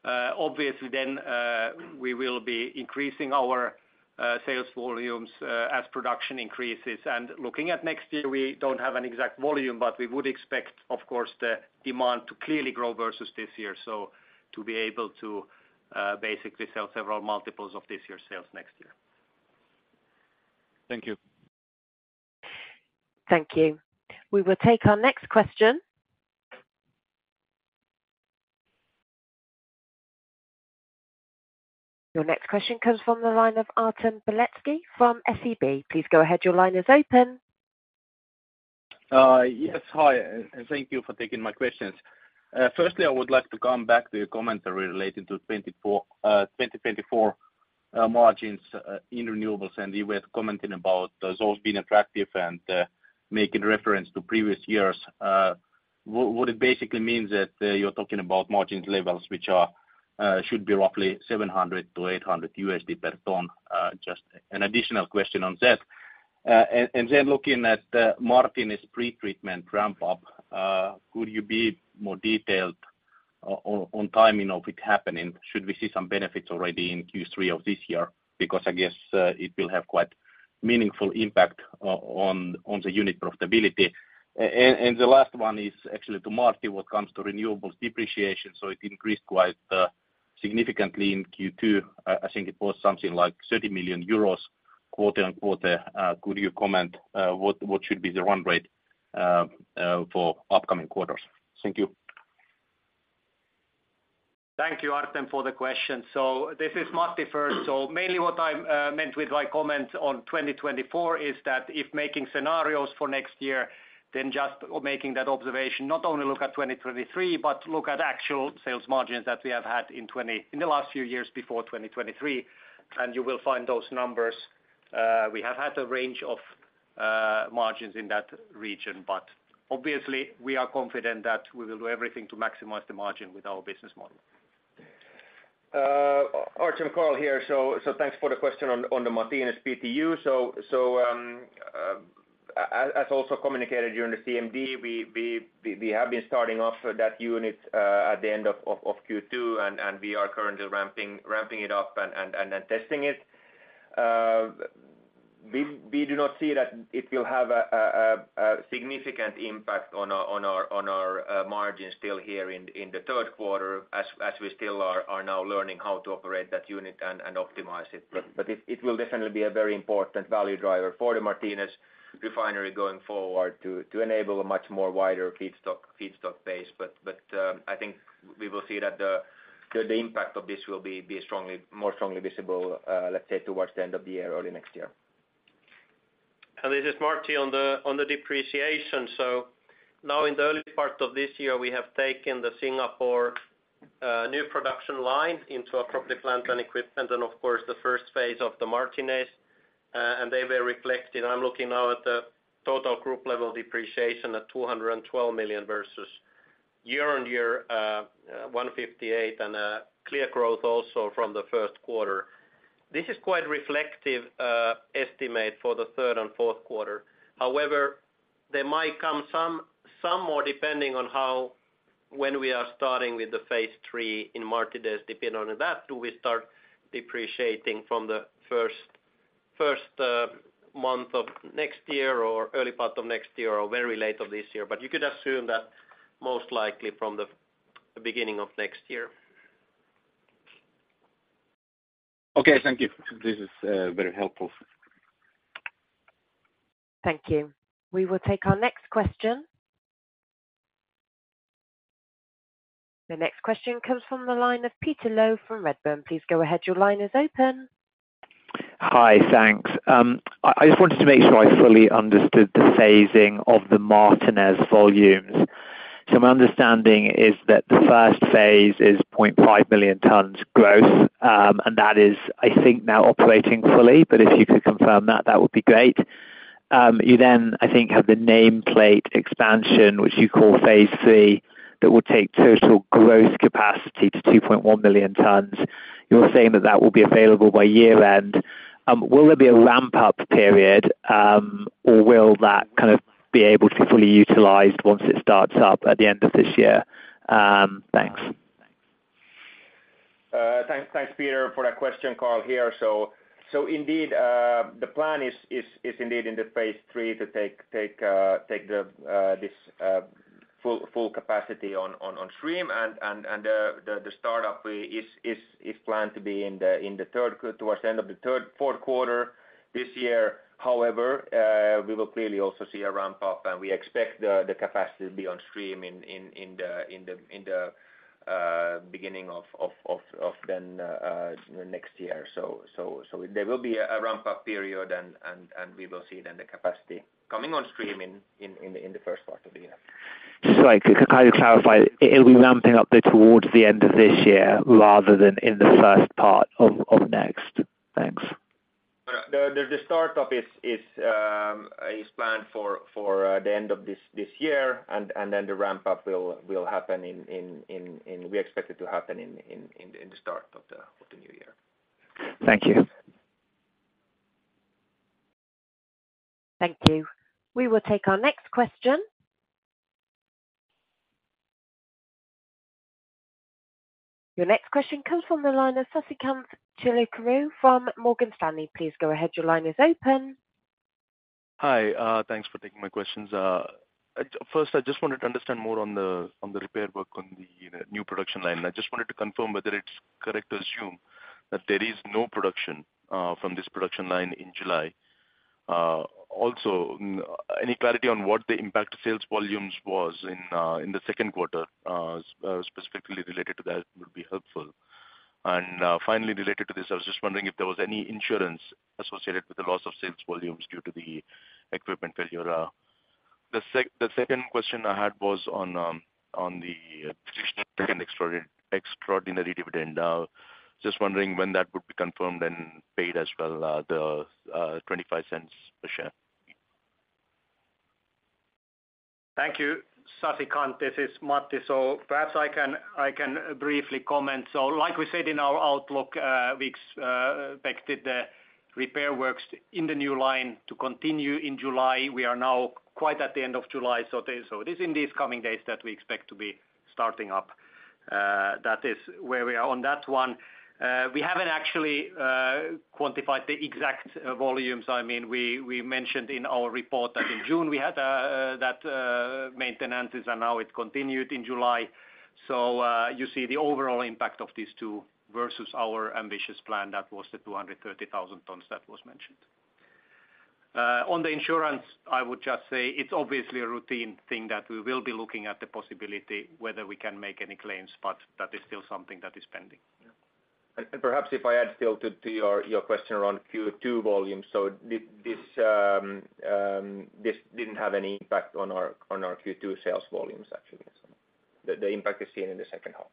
Obviously, then, we will be increasing our sales volumes as production increases. Looking at next year, we don't have an exact volume, but we would expect, of course, the demand to clearly grow versus this year. To be able to basically sell several multiples of this year's sales next year. Thank you. Thank you. We will take our next question. Your next question comes from the line of Artem Beletski from SEB. Please go ahead. Your line is open. Yes. Hi, and thank thank you for taking my questions. Firstly, I would like to come back to your commentary relating to 2024 margins in renewables, and you were commenting about those being attractive and making reference to previous years. What, would it basically means that you're talking about margins levels which are should be roughly $700 to $800 per ton? Just an additional question on that. Then looking at the Martinez pretreatment ramp up, could you be more detailed on timing of it happening? Should we see some benefits already in Q3 of this year? Because I guess it will have quite meaningful impact on the unit profitability. The last one is actually to Martti, what comes to renewables depreciation. It increased quite significantly in Q2. I think it was something like 30 million euros quarter-on-quarter. Could you comment what should be the run rate for upcoming quarters? Thank you. Thank you, Artem, for the question. This is Martti first. Mainly what I meant with my comments on 2024 is that if making scenarios for next year, then just making that observation, not only look at 2023, but look at actual sales margins that we have had in the last few years before 2023. You will find those numbers. We have had a range of margins in that region. Obviously, we are confident that we will do everything to maximize the margin with our business model. Artem, Carl here. Thanks for the question on the Martinez PTU. As also communicated during the CMD, we have been starting off that unit at the end of Q2, and we are currently ramping it up and testing it. We do not see that it will have a significant impact on our margins still here in the third quarter, as we still are now learning how to operate that unit and optimize it. It will definitely be a very important value driver for the Martinez Refinery going forward to enable a much more wider feedstock base. I think we will see that the impact of this will be strongly, more strongly visible, let's say, towards the end of the year, early next year. This is Martti on the depreciation. Now in the early part of this year, we have taken the Singapore new production line into a proper plant and equipment, and of course, the first phase of the Martinez, and they were reflected. I'm looking now at the total group level depreciation at 212 million versus year-over-year 158 million, a clear growth also from the first quarter. This is quite reflective estimate for the third and fourth quarter. However, there might come some more, depending on how, when we are starting with the Phase 3 in Martinez. Depending on that, do we start depreciating from the first month of next year or early part of next year or very late of this year? You could assume that most likely from the beginning of next year. Okay, thank you. This is very helpful. Thank you. We will take our next question. The next question comes from the line of Peter Low from Redburn. Please go ahead. Your line is open. Hi, thanks. I just wanted to make sure I fully understood the phasing of the Martinez volumes. My understanding is that the first phase is 0.5 million tons gross, and that is, I think, now operating fully, but if you could confirm that, that would be great. You then, I think, have the nameplate expansion, which you call Phase C, that will take total gross capacity to 2.1 million tons. You're saying that that will be available by year-end. Will there be a ramp-up period, or will that kind of be able to be fully utilized once it starts up at the end of this year? Thanks. Thanks, Peter, for that question. Carl here. Indeed, the plan is in the phase 3 to take the full capacity on stream, and the startup is planned to be in the third, towards the end of the third, fourth quarter this year. However, we will clearly also see a ramp-up, and we expect the capacity to be on stream in the beginning of next year. There will be a ramp-up period, and we will see then the capacity coming on stream in the first part of the year. So I can kind of clarify, it'll be ramping up towards the end of this year rather than in the first part of next? Thanks. The start up is planned for the end of this year. The ramp up will happen. We expect it to happen in the start of the new year. Thank you. Thank you. We will take our next question. Your next question comes from the line of Sasikanth Chilukuru from Morgan Stanley. Please go ahead. Your line is open. Hi, thanks for taking my questions. First, I just wanted to understand more on the repair work on the new production line. I just wanted to confirm whether it's correct to assume that there is no production from this production line in July. Also, any clarity on what the impact sales volumes was in the second quarter specifically related to that would be helpful. Finally, related to this, I was just wondering if there was any insurance associated with the loss of sales volumes due to the equipment failure. The second question I had was on the position of the extraordinary dividend. Just wondering when that would be confirmed and paid as well, the 0.25 per share. Thank you, Sasikanth. This is Matti. Perhaps I can briefly comment. Like we said in our outlook, we expected the repair works in the new line to continue in July. We are now quite at the end of July, so it is in these coming days that we expect to be starting up. That is where we are on that one. We haven't actually quantified the exact volumes. I mean, we mentioned in our report that in June we had that maintenances, and now it continued in July. You see the overall impact of these two versus our ambitious plan, that was the 230,000 tons that was mentioned. On the insurance, I would just say it's obviously a routine thing, that we will be looking at the possibility whether we can make any claims, but that is still something that is pending. Perhaps if I add still to your question around Q2 volumes, this didn't have any impact on our Q2 sales volumes, actually. The impact is seen in the second half.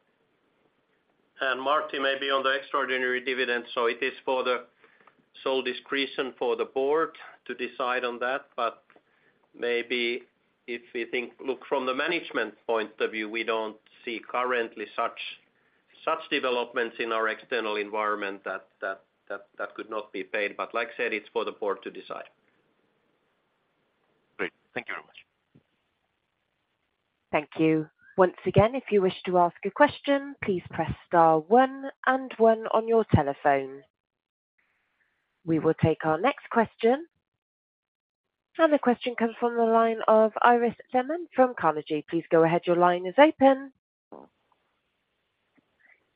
Marty, maybe on the extraordinary dividend, so it is for the sole discretion for the board to decide on that. Maybe if we think, look from the management point of view, we don't see currently such developments in our external environment that could not be paid. Like I said, it's for the board to decide. Great. Thank you very much. Thank you. Once again, if you wish to ask a question, please press star one and one on your telephone. We will take our next question. The question comes from the line of Iiris Theman from Carnegie. Please go ahead. Your line is open.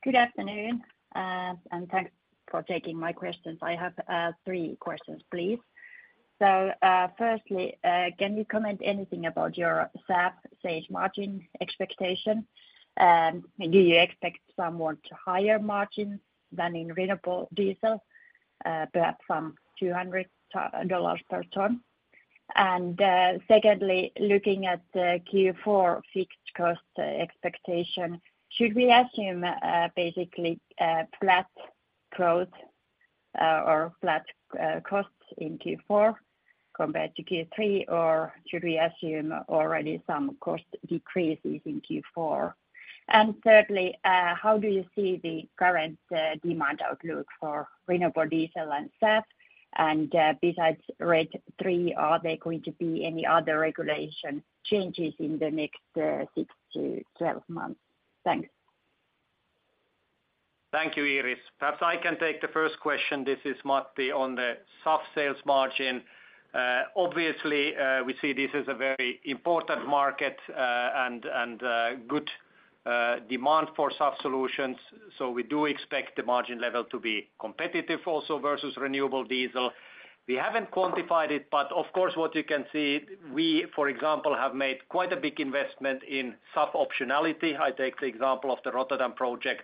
Good afternoon, thanks for taking my questions. I have three questions, please. Firstly, can you comment anything about your SAF sales margin expectation? Do you expect somewhat higher margins than in Renewable Diesel, perhaps some $200 per ton? Secondly, looking at the Q4 fixed cost expectation, should we assume basically flat growth or flat costs in Q4 compared to Q3, or should we assume already some cost decreases in Q4? Thirdly, how do you see the current demand outlook for Renewable Diesel and SAF? Besides RED III, are there going to be any other regulation changes in the next six to 12 months? Thanks. Thank you, Iiris. Perhaps I can take the first question. This is Matti on the SAF sales margin. Obviously, we see this as a very important market, and good demand for SAF solutions, we do expect the margin level to be competitive also versus Renewable Diesel. We haven't quantified it, but of course, what you can see, we, for example, have made quite a big investment in SAF optionality. I take the example of the Rotterdam project,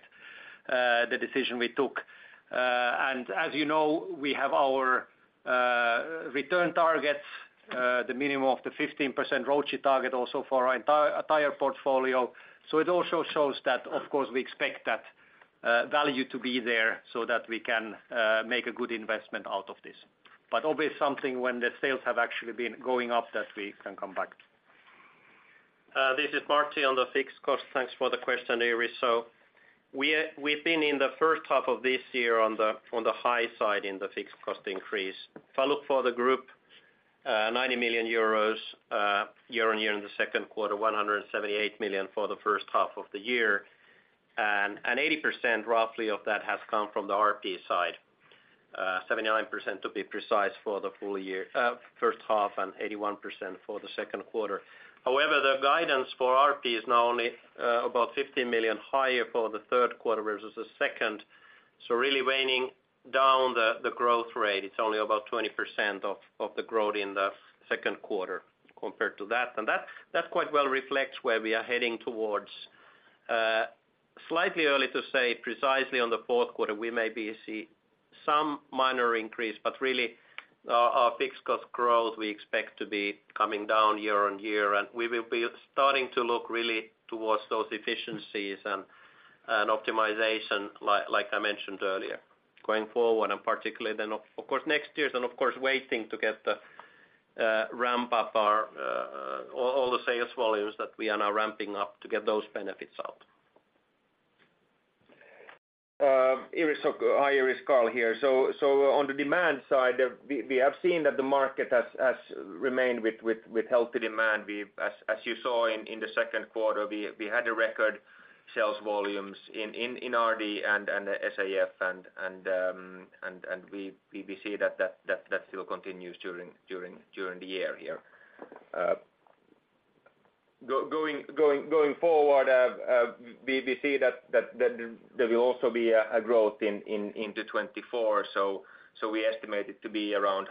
the decision we took. As you know, we have our return targets, the minimum of the 15% ROACE target also for our entire portfolio. It also shows that, of course, we expect that value to be there so that we can make a good investment out of this. Always something when the sales have actually been going up, that we can come back to. This is Martti, on the fixed cost. Thanks for the question, Iiris. We've been in the first half of this year on the high side in the fixed cost increase. If I look for the group, 90 million euros year-on-year in the second quarter, 178 million for the first half of the year. 80% roughly of that has come from the RP side, 79% to be precise for the full year, first half, and 81% for the second quarter. However, the guidance for RP is now only about 50 million higher for the third quarter versus the second. Really waning down the growth rate. It's only about 20% of the growth in the second quarter compared to that. That quite well reflects where we are heading towards. Slightly early to say precisely on the fourth quarter, we may be see some minor increase, but really, our fixed cost growth, we expect to be coming down year-on-year. We will be starting to look really towards those efficiencies and optimization, like I mentioned earlier, going forward, and particularly then of course, next year, and of course, waiting to get the ramp up our all the sales volumes that we are now ramping up to get those benefits out. Iiris, hi, Iiris, Carl here. On the demand side, we have seen that the market has remained with healthy demand. As you saw in the second quarter, we had a record sales volumes in RD and SAF, and we see that still continues during the year here. Going forward, we see that there will also be a growth into 2024. We estimate it to be around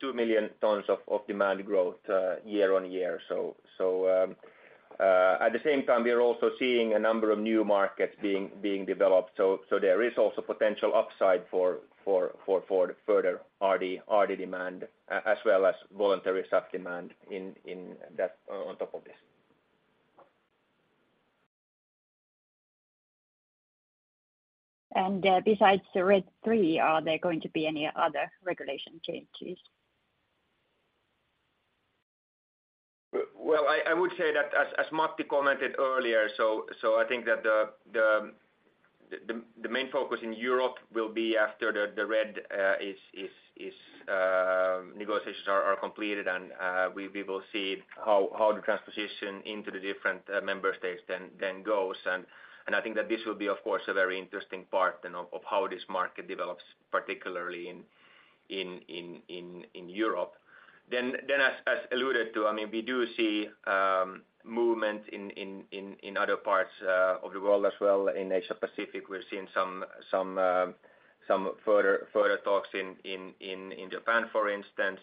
2 million tons of demand growth year-on-year. At the same time, we are also seeing a number of new markets being developed. There is also potential upside for the further RD demand as well as voluntary SAF demand in that on top of this. Besides the RED III, are there going to be any other regulation changes? Well, I would say that as Martti commented earlier, I think that the main focus in Europe will be after the RED negotiations are completed, we will see how the transposition into the different member states then goes. I think that this will be, of course, a very interesting part then of how this market develops, particularly in Europe. As alluded to, I mean, we do see movement in other parts of the world as well. In Asia Pacific, we're seeing some further talks in Japan, for instance.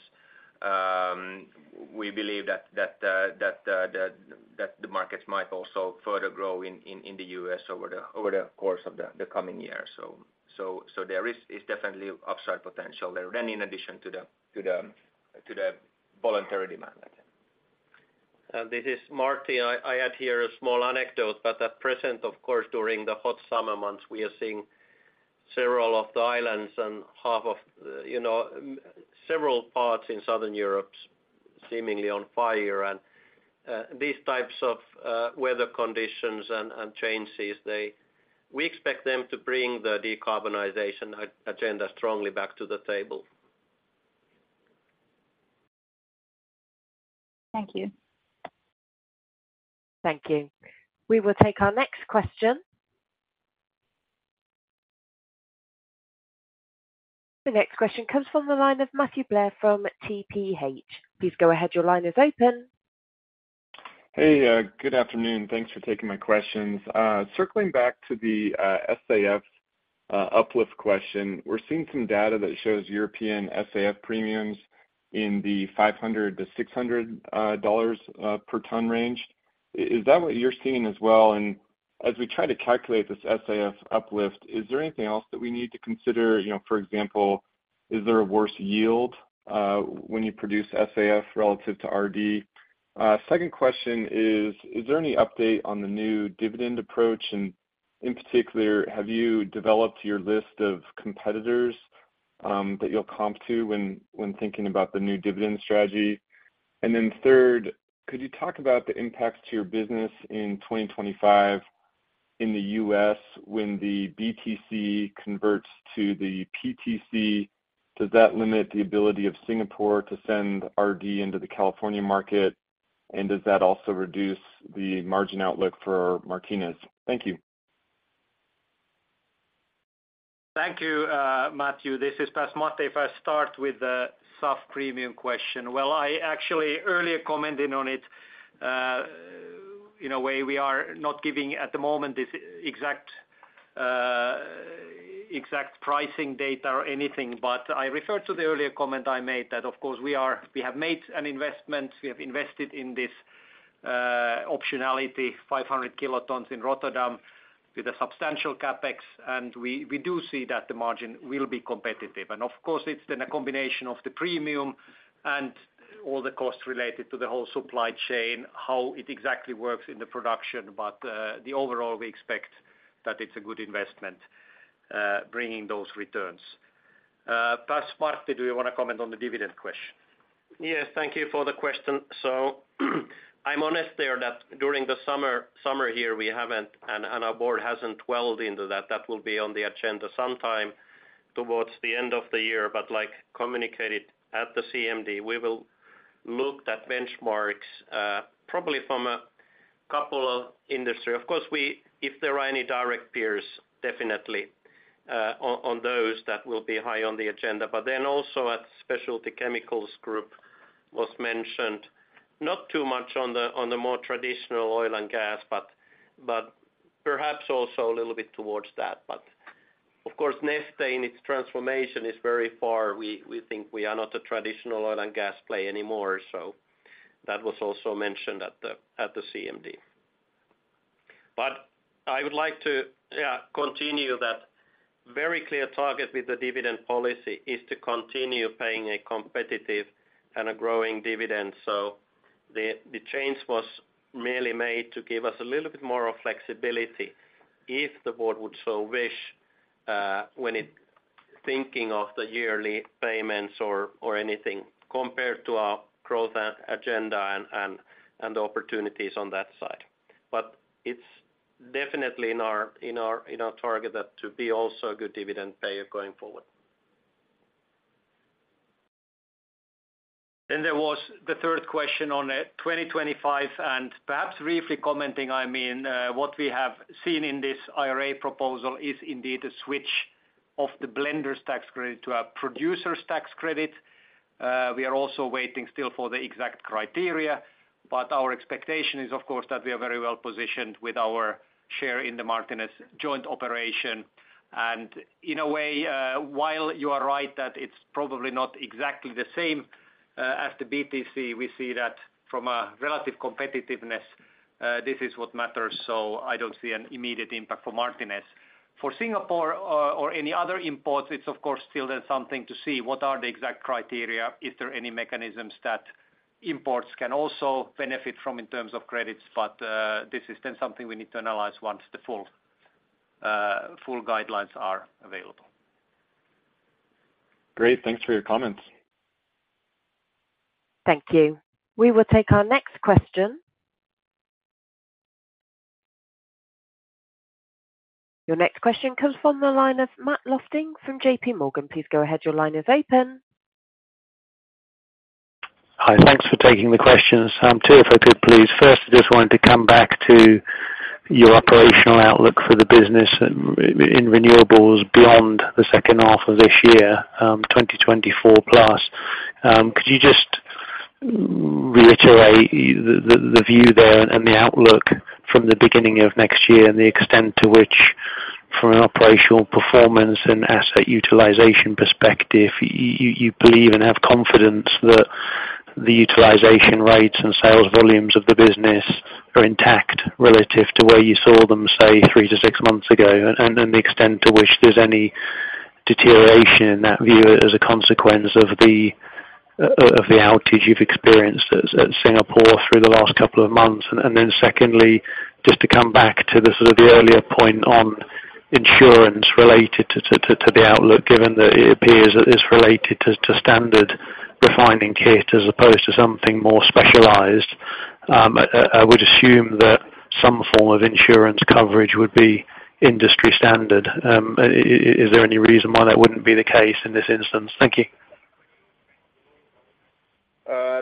We believe that the markets might also further grow in the U.S., over the course of the coming years. There is definitely upside potential there, then in addition to the voluntary demand, I think. This is Martti. I add here a small anecdote, but at present, of course, during the hot summer months, we are seeing several of the islands and half of, you know, several parts in Southern Europe seemingly on fire. These types of weather conditions and changes, we expect them to bring the decarbonization agenda strongly back to the table. Thank you. Thank you. We will take our next question. The next question comes from the line of Matthew Blair from TPH. Please go ahead. Your line is open. Hey, good afternoon. Thanks for taking my questions. Circling back to the SAF uplift question, we're seeing some data that shows European SAF premiums in the $500 to $600 per ton range. Is that what you're seeing as well? As we try to calculate this SAF uplift, is there anything else that we need to consider? You know, for example, is there a worse yield when you produce SAF relative to RD? Second question is, is there any update on the new dividend approach? In particular, have you developed your list of competitors that you'll comp to when thinking about the new dividend strategy? Third, could you talk about the impacts to your business in 2025 in the U.S. when the BTC converts to the PTC? Does that limit the ability of Singapore to send RD into the California market, and does that also reduce the margin outlook for Martinez? Thank you. Thank you, Matthew. This is first Martti. If I start with the SAF premium question. Well, I actually earlier commented on it. in a way, we are not giving at the moment this exact pricing data or anything. I refer to the earlier comment I made, that of course, we have made an investment. We have invested in this optionality, 500 kilotons in Rotterdam with a substantial CapEx, and we do see that the margin will be competitive. Of course, it's then a combination of the premium and all the costs related to the whole supply chain, how it exactly works in the production. The overall, we expect that it's a good investment, bringing those returns. Pass Martti, do you want to comment on the dividend question? Yes, thank you for the question. I'm honest there, that during the summer here, we haven't and our board hasn't delved into that. That will be on the agenda sometime towards the end of the year. Like communicated at the CMD, we will look at benchmarks, probably from a couple of industry. Of course, if there are any direct peers, definitely on those, that will be high on the agenda. Also at Specialty Chemicals group was mentioned, not too much on the more traditional oil and gas, but perhaps also a little bit towards that. Of course, Neste in its transformation is very far. We think we are not a traditional oil and gas play anymore, so that was also mentioned at the CMD. I would like to, yeah, continue that very clear target with the dividend policy is to continue paying a competitive and a growing dividend. The, the change was merely made to give us a little bit more of flexibility, if the board would so wish, when it thinking of the yearly payments or, or anything, compared to our growth agenda and opportunities on that side. It's definitely in our target, that to be also a good dividend payer going forward. There was the third question on 2025, and perhaps briefly commenting, I mean, what we have seen in this IRA proposal is indeed a switch of the blender's tax credit to a producer's tax credit. We are also waiting still for the exact criteria, but our expectation is, of course, that we are very well positioned with our share in the Martinez joint operation. In a way, while you are right that it's probably not exactly the same as the BTC, we see that from a relative competitiveness, this is what matters, so I don't see an immediate impact for Martinez. For Singapore or any other imports, it's of course still then something to see what are the exact criteria, is there any mechanisms that imports can also benefit from in terms of credits? This is then something we need to analyze once the full guidelines are available. Great. Thanks for your comments. Thank you. We will take our next question. Your next question comes from the line of Matthew Lofting from J.P. Morgan. Please go ahead. Your line is open. Hi. Thanks for taking the questions. Two, if I could, please. First, I just wanted to come back to your operational outlook for the business in, in renewables beyond the second half of this year, 2024 plus. Could you just reiterate the view there and the outlook from the beginning of next year, and the extent to which, from an operational performance and asset utilization perspective, you believe and have confidence that the utilization rates and sales volumes of the business are intact relative to where you saw them, say, three to six months ago? The extent to which there's any deterioration in that view as a consequence of the outages you've experienced at Singapore through the last couple of months. Secondly, just to come back to the, sort of the earlier point on insurance related to the outlook, given that it appears that it's related to standard refining kit as opposed to something more specialized. I would assume that some form of insurance coverage would be industry standard. Is there any reason why that wouldn't be the case in this instance? Thank you.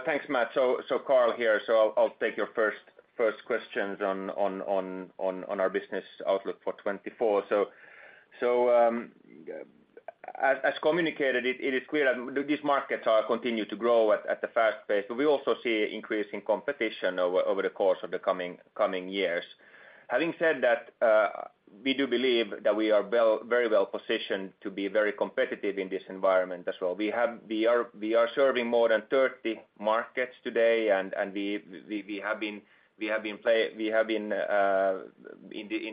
Thanks, Matt. Carl here. I'll take your first questions on our business outlook for 2024. As communicated, it is clear that these markets continue to grow at a fast pace, but we also see increasing competition over the course of the coming years. Having said that, we do believe that we are very well positioned to be very competitive in this environment as well. We are serving more than 30 markets today, and we have been in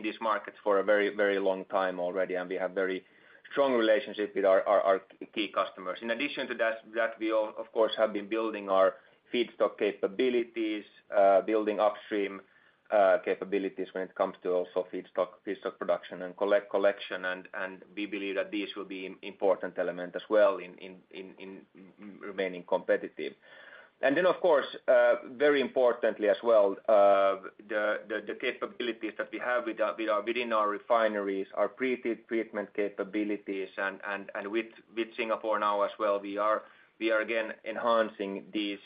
this market for a very long time already, and we have very strong relationship with our key customers. In addition to that, we of course, have been building our feedstock capabilities, building upstream capabilities when it comes to also feedstock production and collection. We believe that this will be important element as well in remaining competitive. Then, of course, very importantly as well, the capabilities that we have within our refineries, our pre-treatment capabilities and with Singapore now as well, we are again enhancing these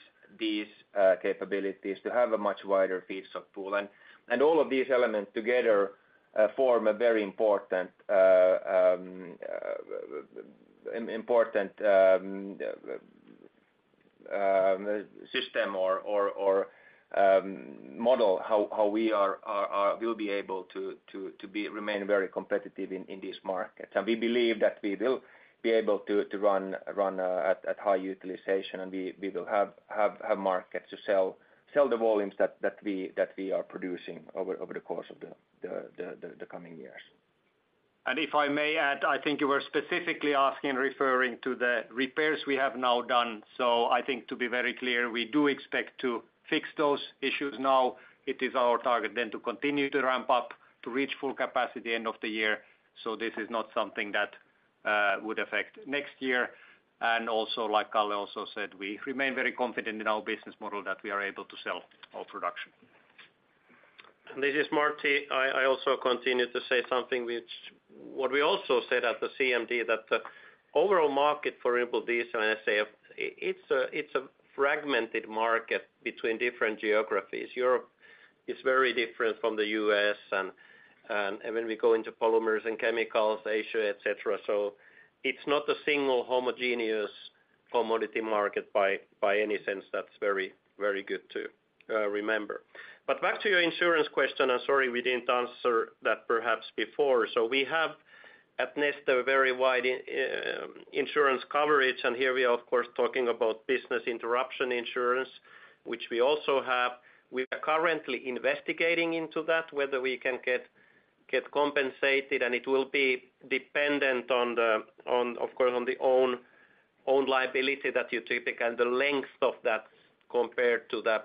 capabilities to have a much wider feedstock pool. All of these elements together form a very important. Important system or model how we are, we'll be able to remain very competitive in these markets. We believe that we will be able to run at high utilization, and we will have markets to sell the volumes that we are producing over the course of the coming years. If I may add, I think you were specifically asking, referring to the repairs we have now done. I think to be very clear, we do expect to fix those issues now. It is our target then to continue to ramp up, to reach full capacity end of the year. This is not something that would affect next year. Also, like Carl also said, we remain very confident in our business model that we are able to sell all production. This is Martti. I also continue to say what we also said at the CMD, that the overall market for diesel and SAF, it's a fragmented market between different geographies. Europe is very different from the U.S., and when we go into polymers and chemicals, Asia, et cetera. It's not a single homogeneous commodity market by any sense. That's very good to remember. Back to your insurance question, I'm sorry we didn't answer that perhaps before. We have, at Neste, a very wide insurance coverage, and here we are of course, talking about business interruption insurance, which we also have. We are currently investigating into that, whether we can get compensated, and it will be dependent on, of course, on the own liability that you take and the length of that, compared to the.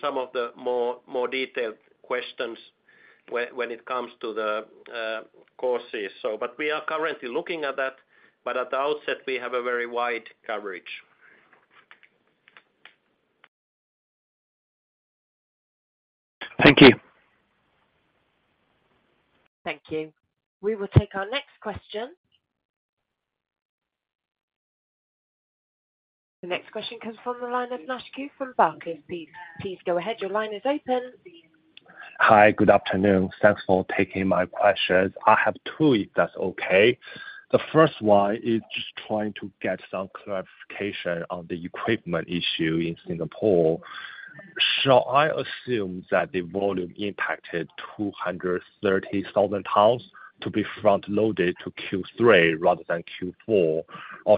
Some of the more detailed questions when it comes to the causes. But we are currently looking at that, but at the outset, we have a very wide coverage. Thank you. Thank you. We will take our next question. The next question comes from the line of Naisheng Cui from Barclays. Please go ahead. Your line is open. Hi, good afternoon. Thanks for taking my questions. I have two, if that's okay. The first one is just trying to get some clarification on the equipment issue in Singapore. Shall I assume that the volume impacted 230,000 tons to be front-loaded to Q3 rather than Q4?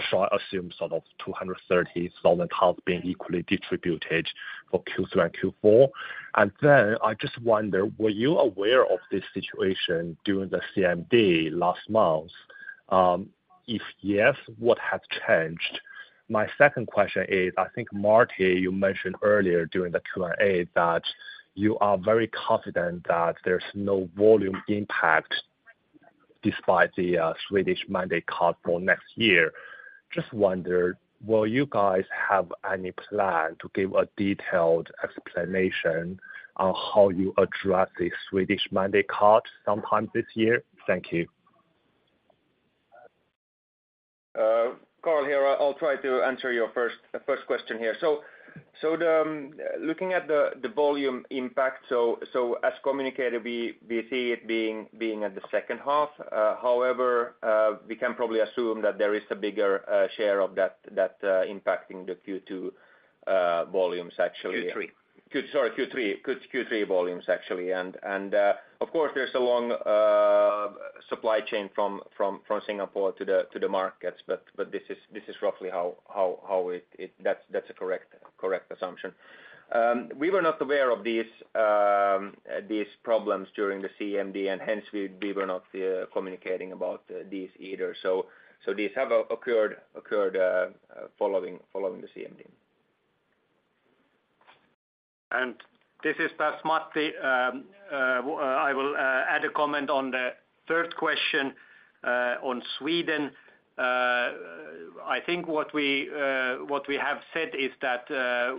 Shall I assume sort of 230,000 tons being equally distributed for Q3 and Q4? I just wonder, were you aware of this situation during the CMD last month? If yes, what has changed? My second question is, I think, Martti, you mentioned earlier during the Q&A that you are very confident that there's no volume impact despite the Swedish mandate cut for next year. Just wondered, will you guys have any plan to give a detailed explanation on how you address the Swedish mandate cut sometime this year? Thank you. Carl here. I'll try to answer your first question here. Looking at the volume impact as communicated, we see it being at the second half. However, we can probably assume that there is a bigger share of that impacting the Q2 volumes, actually. Q3. Q, sorry, Q3. Q3 volumes, actually. of course, there's a long supply chain from Singapore to the markets, but this is roughly how it. That's a correct assumption. We were not aware of these problems during the CMD, and hence we were not communicating about these either. These have occurred following the CMD. This is Matti. I will add a comment on the third question on Sweden. I think what we have said is that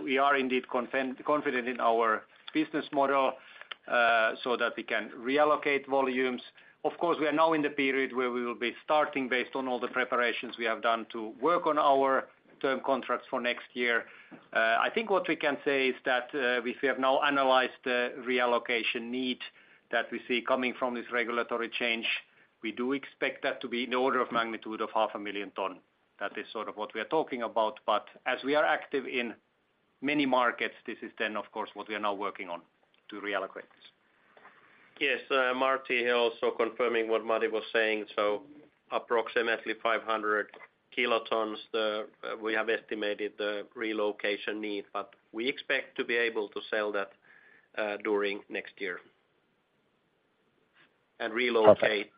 we are indeed confident in our business model so that we can reallocate volumes. Of course, we are now in the period where we will be starting based on all the preparations we have done to work on our term contracts for next year. I think what we can say is that we have now analyzed the reallocation need that we see coming from this regulatory change. We do expect that to be in the order of magnitude of 500,000 ton. That is sort of what we are talking about, but as we are active in many markets, this is then of course, what we are now working on to reallocate this. Martti here, also confirming what Matti was saying. Approximately 500 kilotons, we have estimated the relocation need, but we expect to be able to sell that, during next year. Perfect. Relocate,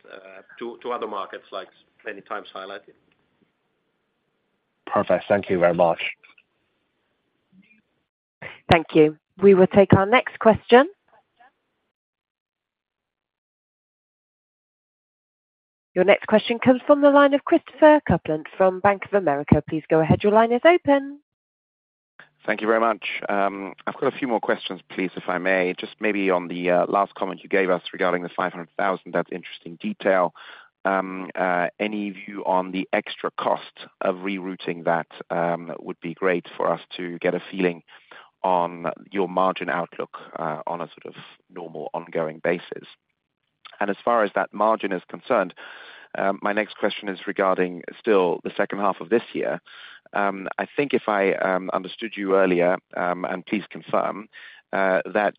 to other markets, like many times highlighted. Perfect. Thank you very much. Thank you. We will take our next question. Your next question comes from the line of Christopher Kuplent from Bank of America. Please go ahead. Your line is open. Thank you very much. I've got a few more questions, please, if I may. Just maybe on the last comment you gave us regarding the $500,000, that's interesting detail. Any view on the extra cost of rerouting that would be great for us to get a feeling on your margin outlook on a sort of normal ongoing basis? As far as that margin is concerned, my next question is regarding still the second half of this year. I think if I understood you earlier, and please confirm, that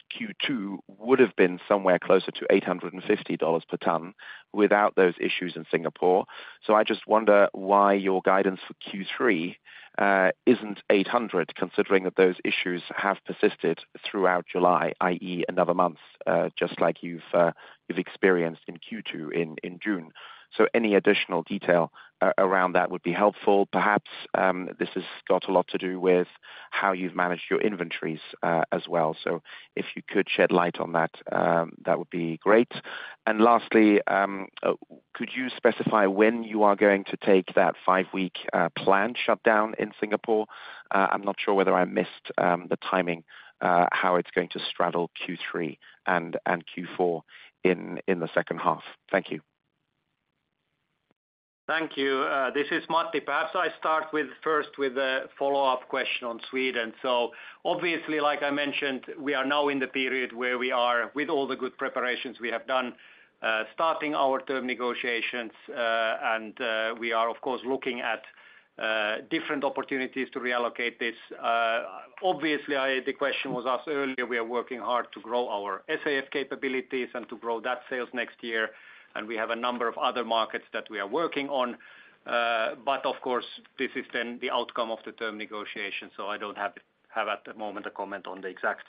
Q2 would've been somewhere closer to $850 per ton without those issues in Singapore. I just wonder why your guidance for Q3 isn't 800, considering that those issues have persisted throughout July, i.e., another month, just like you've experienced in Q2 in June? Any additional detail around that would be helpful. Perhaps this has got a lot to do with how you've managed your inventories as well. If you could shed light on that, that would be great. Lastly, could you specify when you are going to take that five-week planned shutdown in Singapore? I'm not sure whether I missed the timing, how it's going to straddle Q3 and Q4 in the second half. Thank you. Thank you. This is Matti. Perhaps I start with a follow-up question on Sweden. Obviously, like I mentioned, we are now in the period where we are with all the good preparations we have done, starting our term negotiations. We are, of course, looking at different opportunities to reallocate this. Obviously, the question was asked earlier, we are working hard to grow our SAF capabilities and to grow that sales next year, and we have a number of other markets that we are working on. Of course, this is then the outcome of the term negotiation, so I don't have at the moment a comment on the exact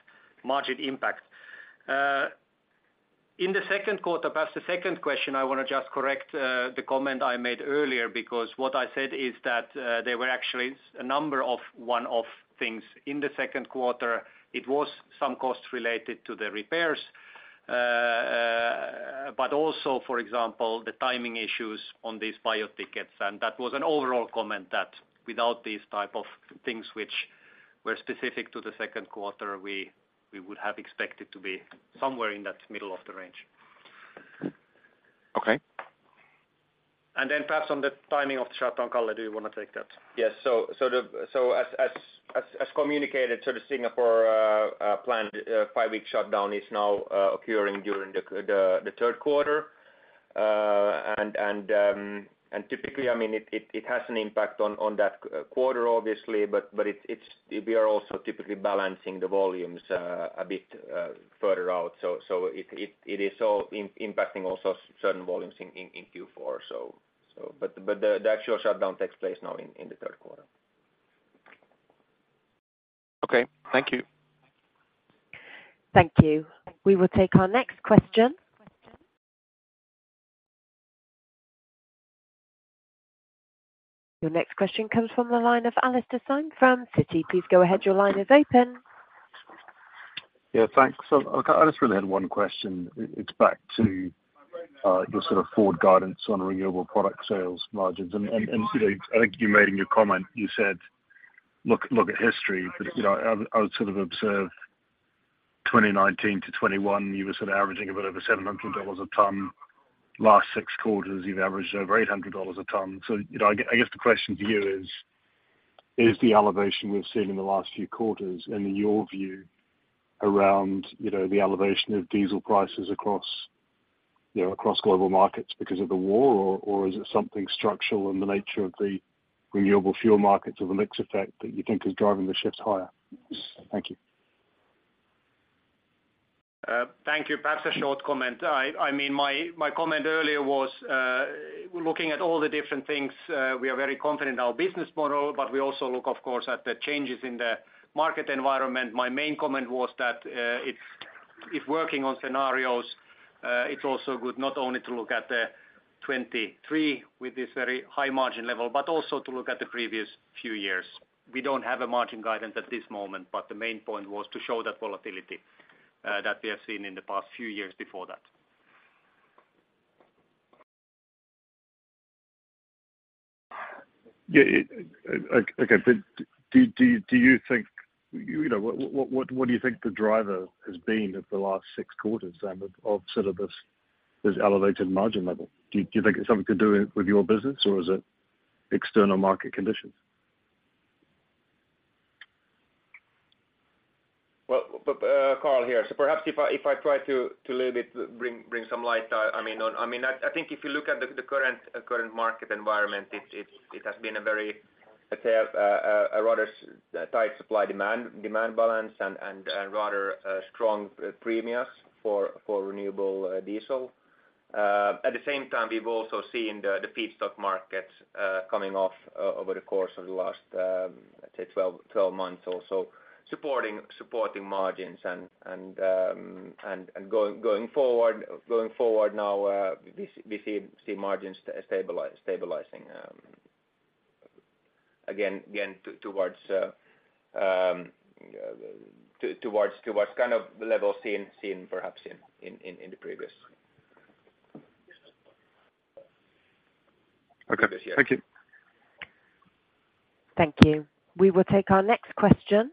margin impact. In the second quarter, perhaps the second question, I wanna just correct the comment I made earlier, because what I said is that there were actually a number of one-off things in the second quarter. It was some costs related to the repairs, but also, for example, the timing issues on these biofuel tickets, that was an overall comment that without these type of things which were specific to the second quarter, we would have expected to be somewhere in that middle of the range. Okay. Then perhaps on the timing of the shutdown, Carl, do you wanna take that? Yes. The, as communicated, sort of Singapore, planned five-week shutdown is now occurring during the third quarter. Typically, I mean, it has an impact on that quarter, obviously, but we are also typically balancing the volumes a bit further out. It is all impacting also certain volumes in Q4. The actual shutdown takes place now in the third quarter. Okay. Thank you. Thank you. We will take our next question. Your next question comes from the line of Alastair Syme from Citigroup. Please go ahead. Your line is open. Yeah, thanks. Look, I just really had one question. It's back to your sort of forward guidance on Renewable Products sales margins. You know, I think you made in your comment, you said, "Look, look at history." You know, I would sort of observe 2019 to 2021, you were sort of averaging a bit over $700 a ton. Last six quarters, you've averaged over $800 a ton. You know, I guess the question to you is, is the elevation we've seen in the last few quarters, in your view, around, you know, the elevation of diesel prices across, you know, global markets because of the war, or is it something structural in the nature of the renewable fuel markets or the mix effect that you think is driving the shifts higher? Thank you. Thank you. Perhaps a short comment. I mean, my comment earlier was looking at all the different things, we are very confident in our business model, but we also look, of course, at the changes in the market environment. My main comment was that, if working on scenarios, it's also good not only to look at the 2023 with this very high margin level, but also to look at the previous few years. We don't have a margin guidance at this moment. The main point was to show that volatility that we have seen in the past few years before that. Okay, but do you think, you know, what do you think the driver has been of the last six quarters, of, sort of this elevated margin level? Do you think it's something to do with your business, or is it external market conditions? Carl here. Perhaps if I try to a little bit bring some light. I think if you look at the current market environment, it has been a very rather tight supply-demand balance and rather strong premiums for Renewable Diesel. At the same time, we've also seen the feedstock markets coming off over the course of the last, say, 12 months or so, supporting margins. Going forward now, we see margins stabilizing again towards kind of the level seen perhaps in the previous- Okay. Thank you. Thank you. We will take our next question.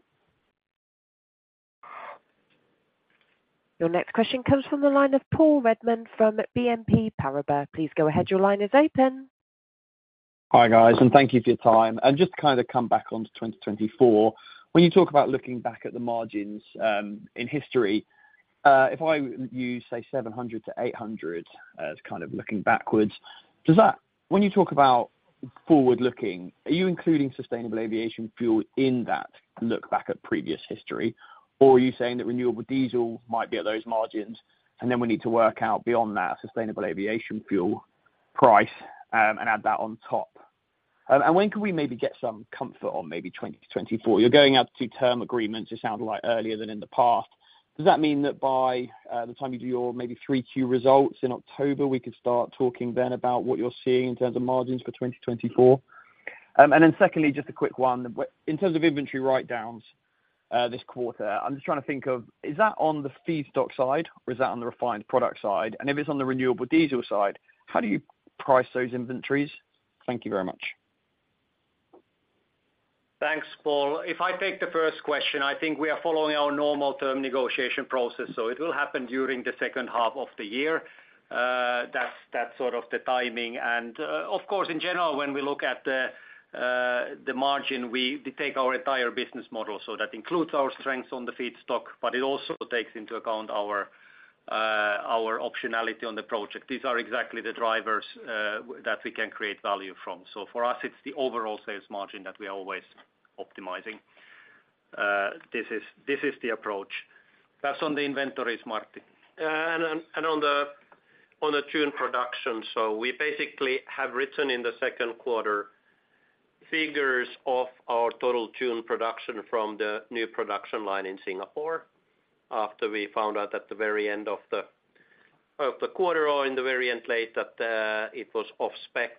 Your next question comes from the line of Paul Redman from BNP Paribas. Please go ahead. Your line is open. Hi, guys, thank you for your time. Just to kind of come back onto 2024, when you talk about looking back at the margins, in history, if I use, say, 700 to 800 as kind of looking backwards, when you talk about forward looking, are you including sustainable aviation fuel in that look back at previous history? Or are you saying that Renewable Diesel might be at those margins, and then we need to work out beyond that sustainable aviation fuel price, and add that on top? When can we maybe get some comfort on maybe 2024? You're going out to term agreements, it sounds like earlier than in the past. Does that mean that by the time you do your maybe 3Q results in October, we could start talking then about what you're seeing in terms of margins for 2024? Secondly, just a quick one. In terms of inventory write-downs this quarter, I'm just trying to think of, is that on the feedstock side, or is that on the refined product side? If it's on the renewable diesel side, how do you price those inventories? Thank you very much. Thanks, Paul. If I take the first question, I think we are following our normal term negotiation process, so it will happen during the second half of the year. That's, that's sort of the timing. Of course, in general, when we look at the margin, we take our entire business model. That includes our strengths on the feedstock, but it also takes into account our optionality on the project. These are exactly the drivers that we can create value from. For us, it's the overall sales margin that we are always optimizing. This is, this is the approach. That's on the inventories, Martti. And on the fine-tune production. We basically have written in the second quarter figures of our total fine-tune production from the new production line in Singapore, after we found out at the very end of the quarter or in the very end late, that it was off spec.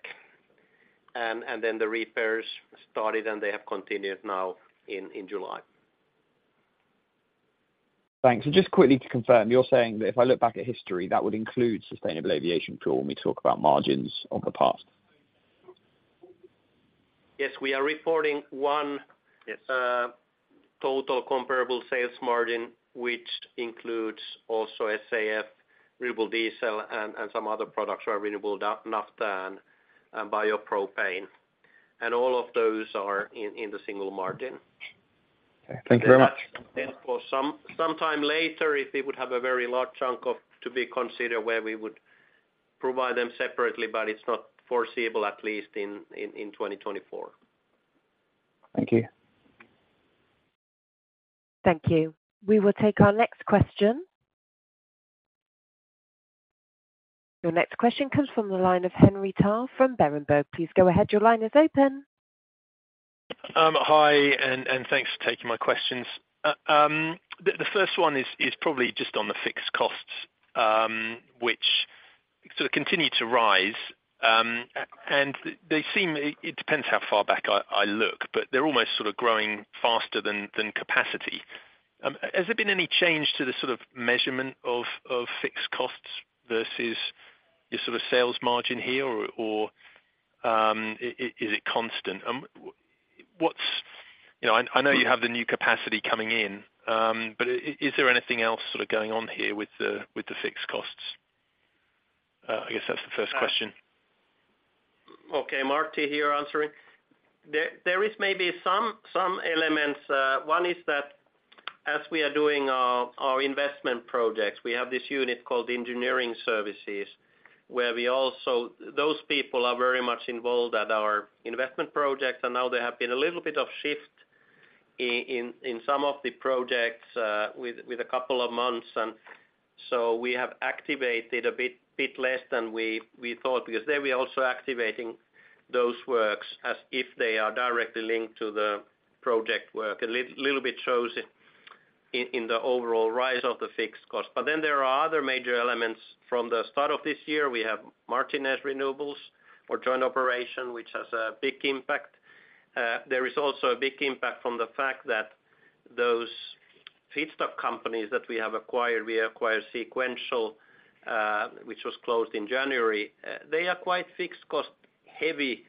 And then the repairs started, and they have continued now in July. Thanks. Just quickly to confirm, you're saying that if I look back at history, that would include sustainable aviation fuel when we talk about margins of the past? Yes, we are reporting. Yes Total comparable sales margin, which includes also SAF, Renewable Diesel, and some other products, our Renewable Naphtha, and bio-propane, and all of those are in the single margin. Okay, thank you very much. For some, sometime later, if we would have a very large chunk of to be considered, where we would provide them separately, but it's not foreseeable, at least in 2024. Thank you. Thank you. We will take our next question. Your next question comes from the line of Henry Tarr from Berenberg. Please go ahead. Your line is open. Hi, and thanks for taking my questions. The first one is probably just on the fixed costs, which sort of continue to rise. It depends how far back I look, but they're almost sort of growing faster than capacity. Has there been any change to the sort of measurement of fixed costs versus your sort of sales margin here, or is it constant? You know, I know you have the new capacity coming in, but is there anything else sort of going on here with the fixed costs? I guess that's the first question. Martti here answering. There is maybe some elements. One is that as we are doing our investment projects, we have this unit called engineering services, where those people are very much involved at our investment projects, and now there have been a little bit of shift in some of the projects with a couple of months. We have activated a bit less than we thought, because then we are also activating those works as if they are directly linked to the project work. A little bit shows it in the overall rise of the fixed costs. There are other major elements. From the start of this year, we have Martinez Renewables for joint operation, which has a big impact. There is also a big impact from the fact that those feedstock companies that we have acquired, we acquired SeQuential, which was closed in January. They are quite fixed cost heavy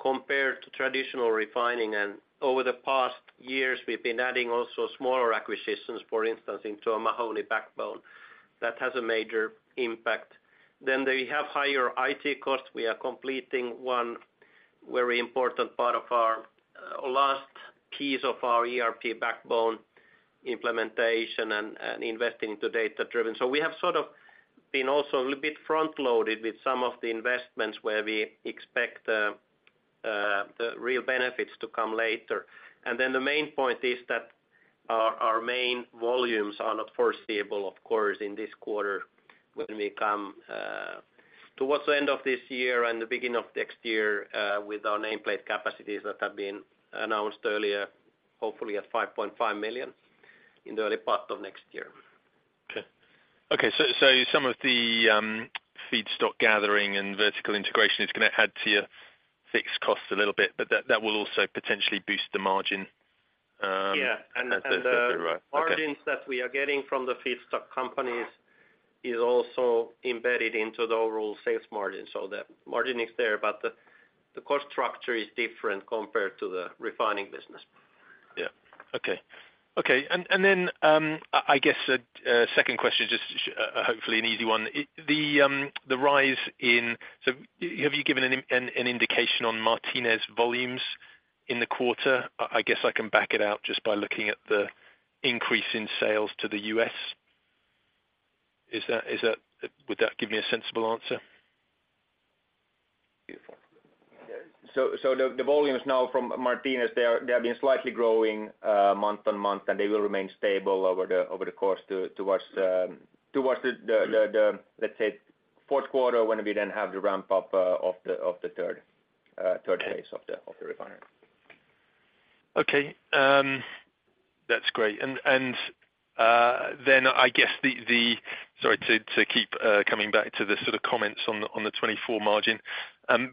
compared to traditional refining, and over the past years, we've been adding also smaller acquisitions, for instance, into a Mahoney backbone. That has a major impact. They have higher IT costs. We are completing one very important part of our last piece of our ERP backbone implementation and investing into data-driven. We have sort of been also a little bit front-loaded with some of the investments, where we expect the real benefits to come later. The main point is that our main volumes are not foreseeable, of course, in this quarter, when we come towards the end of this year and the beginning of next year, with our nameplate capacities that have been announced earlier, hopefully at 5.5 million in the early part of next year. Okay. Some of the feedstock gathering and vertical integration is going to add to your fixed costs a little bit, but that will also potentially boost the margin. Yeah, and. Right. Okay Margins that we are getting from the feedstock companies is also embedded into the overall sales margin. The margin is there, but the cost structure is different compared to the refining business. Yeah. Okay. Okay, then, I, I guess a second question, just hopefully an easy one. Have you given an indication on Martinez volumes in the quarter? I, I guess I can back it out just by looking at the increase in sales to the U.S. Would that give me a sensible answer? The volumes now from Martinez, they are, they have been slightly growing, month-on-month, and they will remain stable over the course towards the, let's say, fourth quarter, when we then have the ramp up of the third phase of the. Okay. Of the refinery. Okay, that's great. I guess Sorry, to keep coming back to the sort of comments on the 2024 margin. Are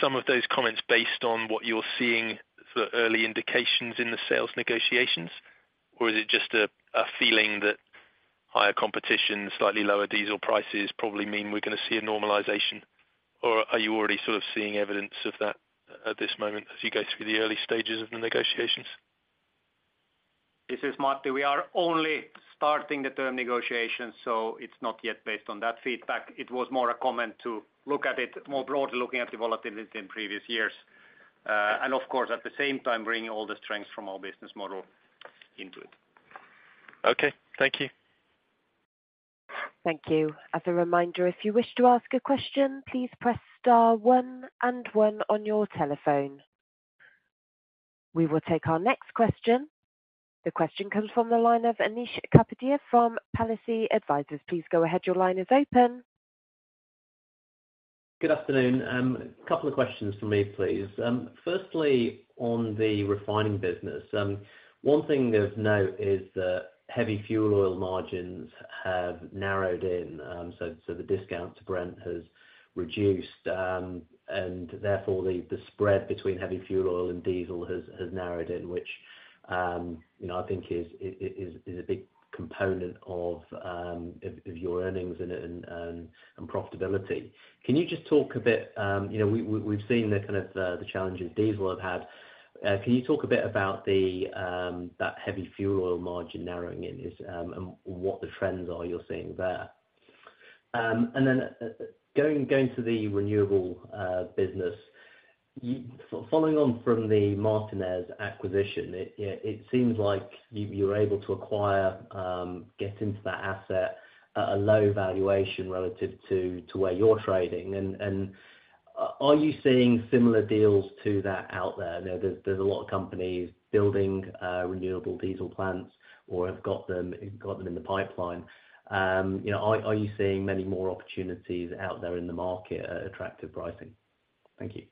some of those comments based on what you're seeing for early indications in the sales negotiations? Or is it just a feeling that higher competition, slightly lower diesel prices probably mean we're gonna see a normalization, or are you already sort of seeing evidence of that at this moment, as you go through the early stages of the negotiations? This is Matti. We are only starting the term negotiations. It's not yet based on that feedback. It was more a comment to look at it more broadly, looking at the volatility in previous years. Of course, at the same time, bringing all the strengths from our business model into it. Okay, thank you. Thank you. As a reminder, if you wish to ask a question, please press star one and one on your telephone. We will take our next question. The question comes from the line of Anish Kapadia from Palissy Advisors. Please go ahead. Your line is open. Good afternoon. A couple of questions from me, please. Firstly, on the refining business, one thing of note is that heavy fuel oil margins have narrowed in, so the discount to Brent has reduced. Therefore, the spread between heavy fuel oil and diesel has narrowed in which, you know, I think is a big component of your earnings and profitability. Can you just talk a bit, you know, we've seen the kind of the challenges diesel have had. Can you talk a bit about the that heavy fuel oil margin narrowing in, is and what the trends are you're seeing there? Then going to the Renewable business, following on from the Martinez acquisition, it seems like you were able to acquire, get into that asset at a low valuation relative where you're trading. Are you seeing similar deals to that out there? I know there's a lot of companies building Renewable Diesel plants or have got them in the pipeline. You know, are you seeing many more opportunities out there in the market at attractive pricing? Thank you.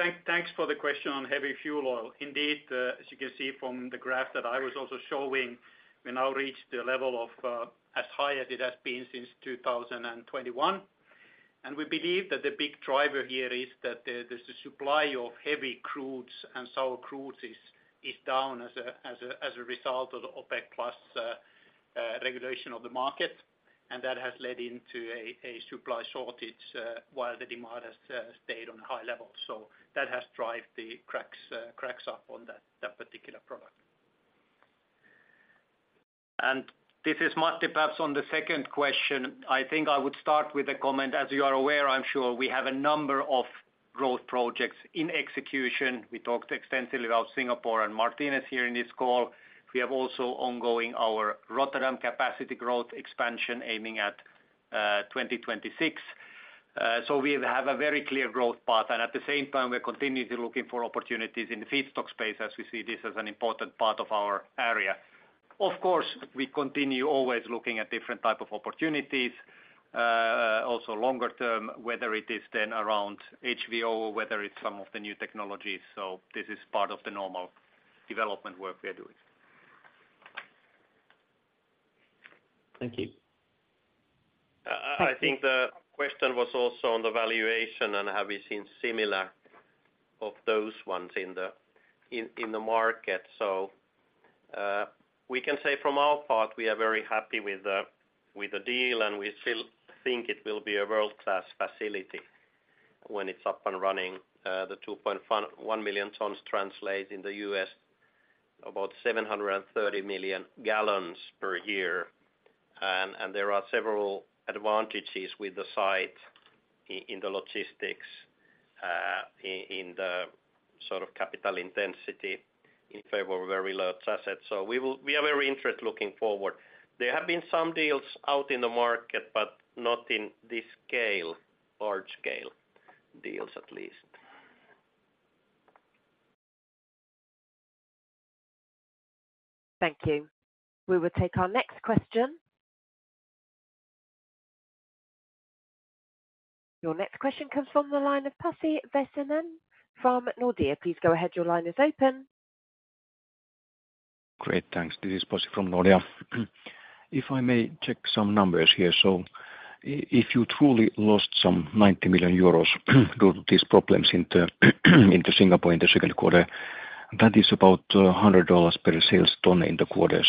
Okay, thanks for the question on heavy fuel oil. Indeed, as you can see from the graph that I was also showing, we now reached the level of as high as it has been since 2021. We believe that the big driver here is that the supply of heavy crudes and sour crudes is down as a result of the OPEC+ regulation of the market. That has led into a supply shortage while the demand has stayed on high levels. That has driven the cracks up on that particular product. This is Matti, perhaps on the second question, I think I would start with a comment. As you are aware, I'm sure, we have a number of growth projects in execution. We talked extensively about Singapore and Martinez here in this call. We have also ongoing our Rotterdam capacity growth expansion, aiming at 2026. We have a very clear growth path, and at the same time, we're continuously looking for opportunities in the feedstock space, as we see this as an important part of our area. Of course, we continue always looking at different type of opportunities, also longer term, whether it is then around HVO, or whether it's some of the new technologies. This is part of the normal development work we are doing. Thank you. I think the question was also on the valuation, and have we seen similar of those ones in the market? We can say from our part, we are very happy with the deal, and we still think it will be a world-class facility when it's up and running. The 2.1 million tons translate in the U.S., about 730 million gallons per year. There are several advantages with the site in the logistics, in the sort of capital intensity in favor of a very large asset. We are very interested looking forward. There have been some deals out in the market, but not in this scale, large scale deals, at least. Thank you. We will take our next question. Your next question comes from the line of Pasi Väisänen from Nordea. Please go ahead. Your line is open. Great, thanks. This is Pasi from Nordea. If I may check some numbers here. If you truly lost 90 million euros due to these problems in Singapore in the second quarter, that is about $100 per sales ton in the quarter.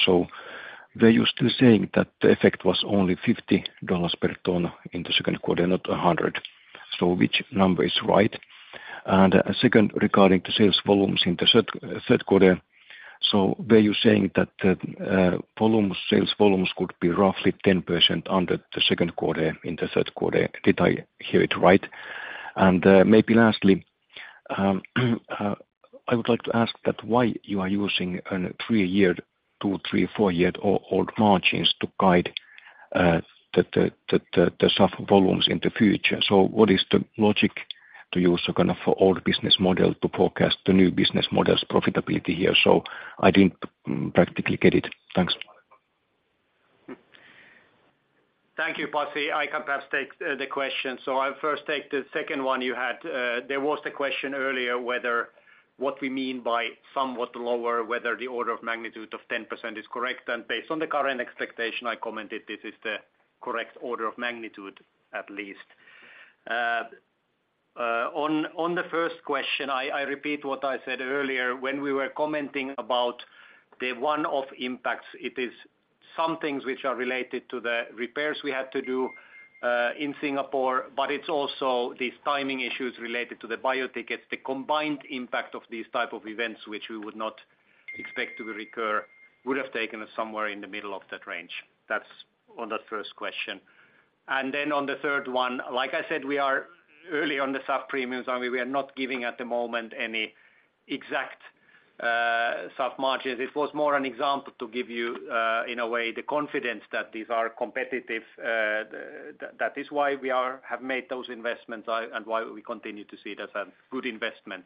Were you still saying that the effect was only $50 per ton in the second quarter, not $100? Which number is right? Second, regarding the sales volumes in the third quarter, were you saying that the volumes, sales volumes could be roughly 10% under the second quarter in the third quarter? Did I hear it right? Maybe lastly, I would like to ask that why you are using an three year, two, three, four year old margins to guide the soft volumes in the future? What is the logic to use a kind of old business model to forecast the new business model's profitability here? I didn't practically get it. Thanks. Thank you, Pasi. I can perhaps take the question. I'll first take the second one you had. There was the question earlier, whether what we mean by somewhat lower, whether the order of magnitude of 10% is correct, and based on the current expectation, I commented this is the correct order of magnitude, at least. On the first question, I repeat what I said earlier, when we were commenting about the one-off impacts, it is some things which are related to the repairs we had to do in Singapore, but it's also these timing issues related to the biofuel tickets. The combined impact of these type of events, which we would not expect to recur, would have taken us somewhere in the middle of that range. That's on the first question. On the third one, like I said, we are early on the SAF premiums. We are not giving, at the moment, any exact SAF margins. It was more an example to give you, in a way, the confidence that these are competitive. That is why we have made those investments, why we continue to see it as a good investment.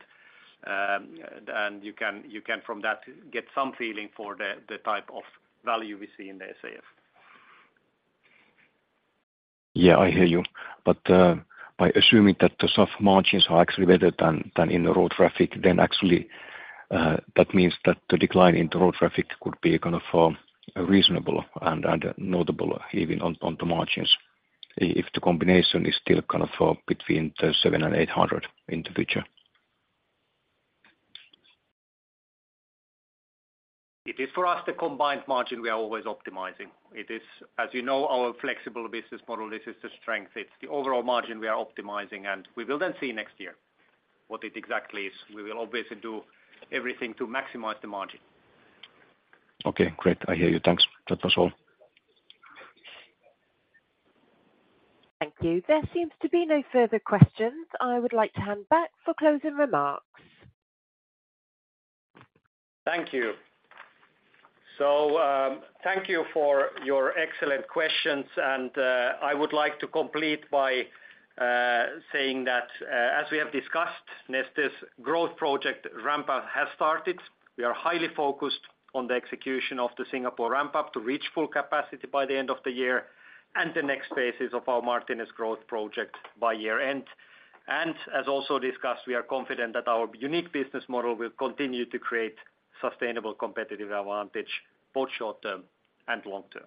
You can from that, get some feeling for the type of value we see in the SAF. Yeah, I hear you. By assuming that the soft margins are actually better than in the road traffic, then actually, that means that the decline in the road traffic could be kind of, reasonable and notable, even on the margins, if the combination is still kind of, between the 700 and 800 in the future. It is for us, the combined margin we are always optimizing. It is, as you know, our flexible business model, this is the strength, it's the overall margin we are optimizing. We will then see next year what it exactly is. We will obviously do everything to maximize the margin. Okay, great. I hear you. Thanks. That was all. Thank you. There seems to be no further questions. I would like to hand back for closing remarks. Thank you. Thank you for your excellent questions, and I would like to complete by saying that as we have discussed, Neste's growth project ramp up has started. We are highly focused on the execution of the Singapore ramp-up to reach full capacity by the end of the year, and the next phases of our Martinez growth project by year-end. As also discussed, we are confident that our unique business model will continue to create sustainable competitive advantage, both short-term and long-term.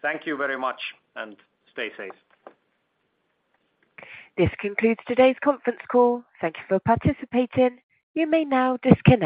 Thank you very much, and stay safe. This concludes today's conference call. Thank you for participating. You may now disconnect.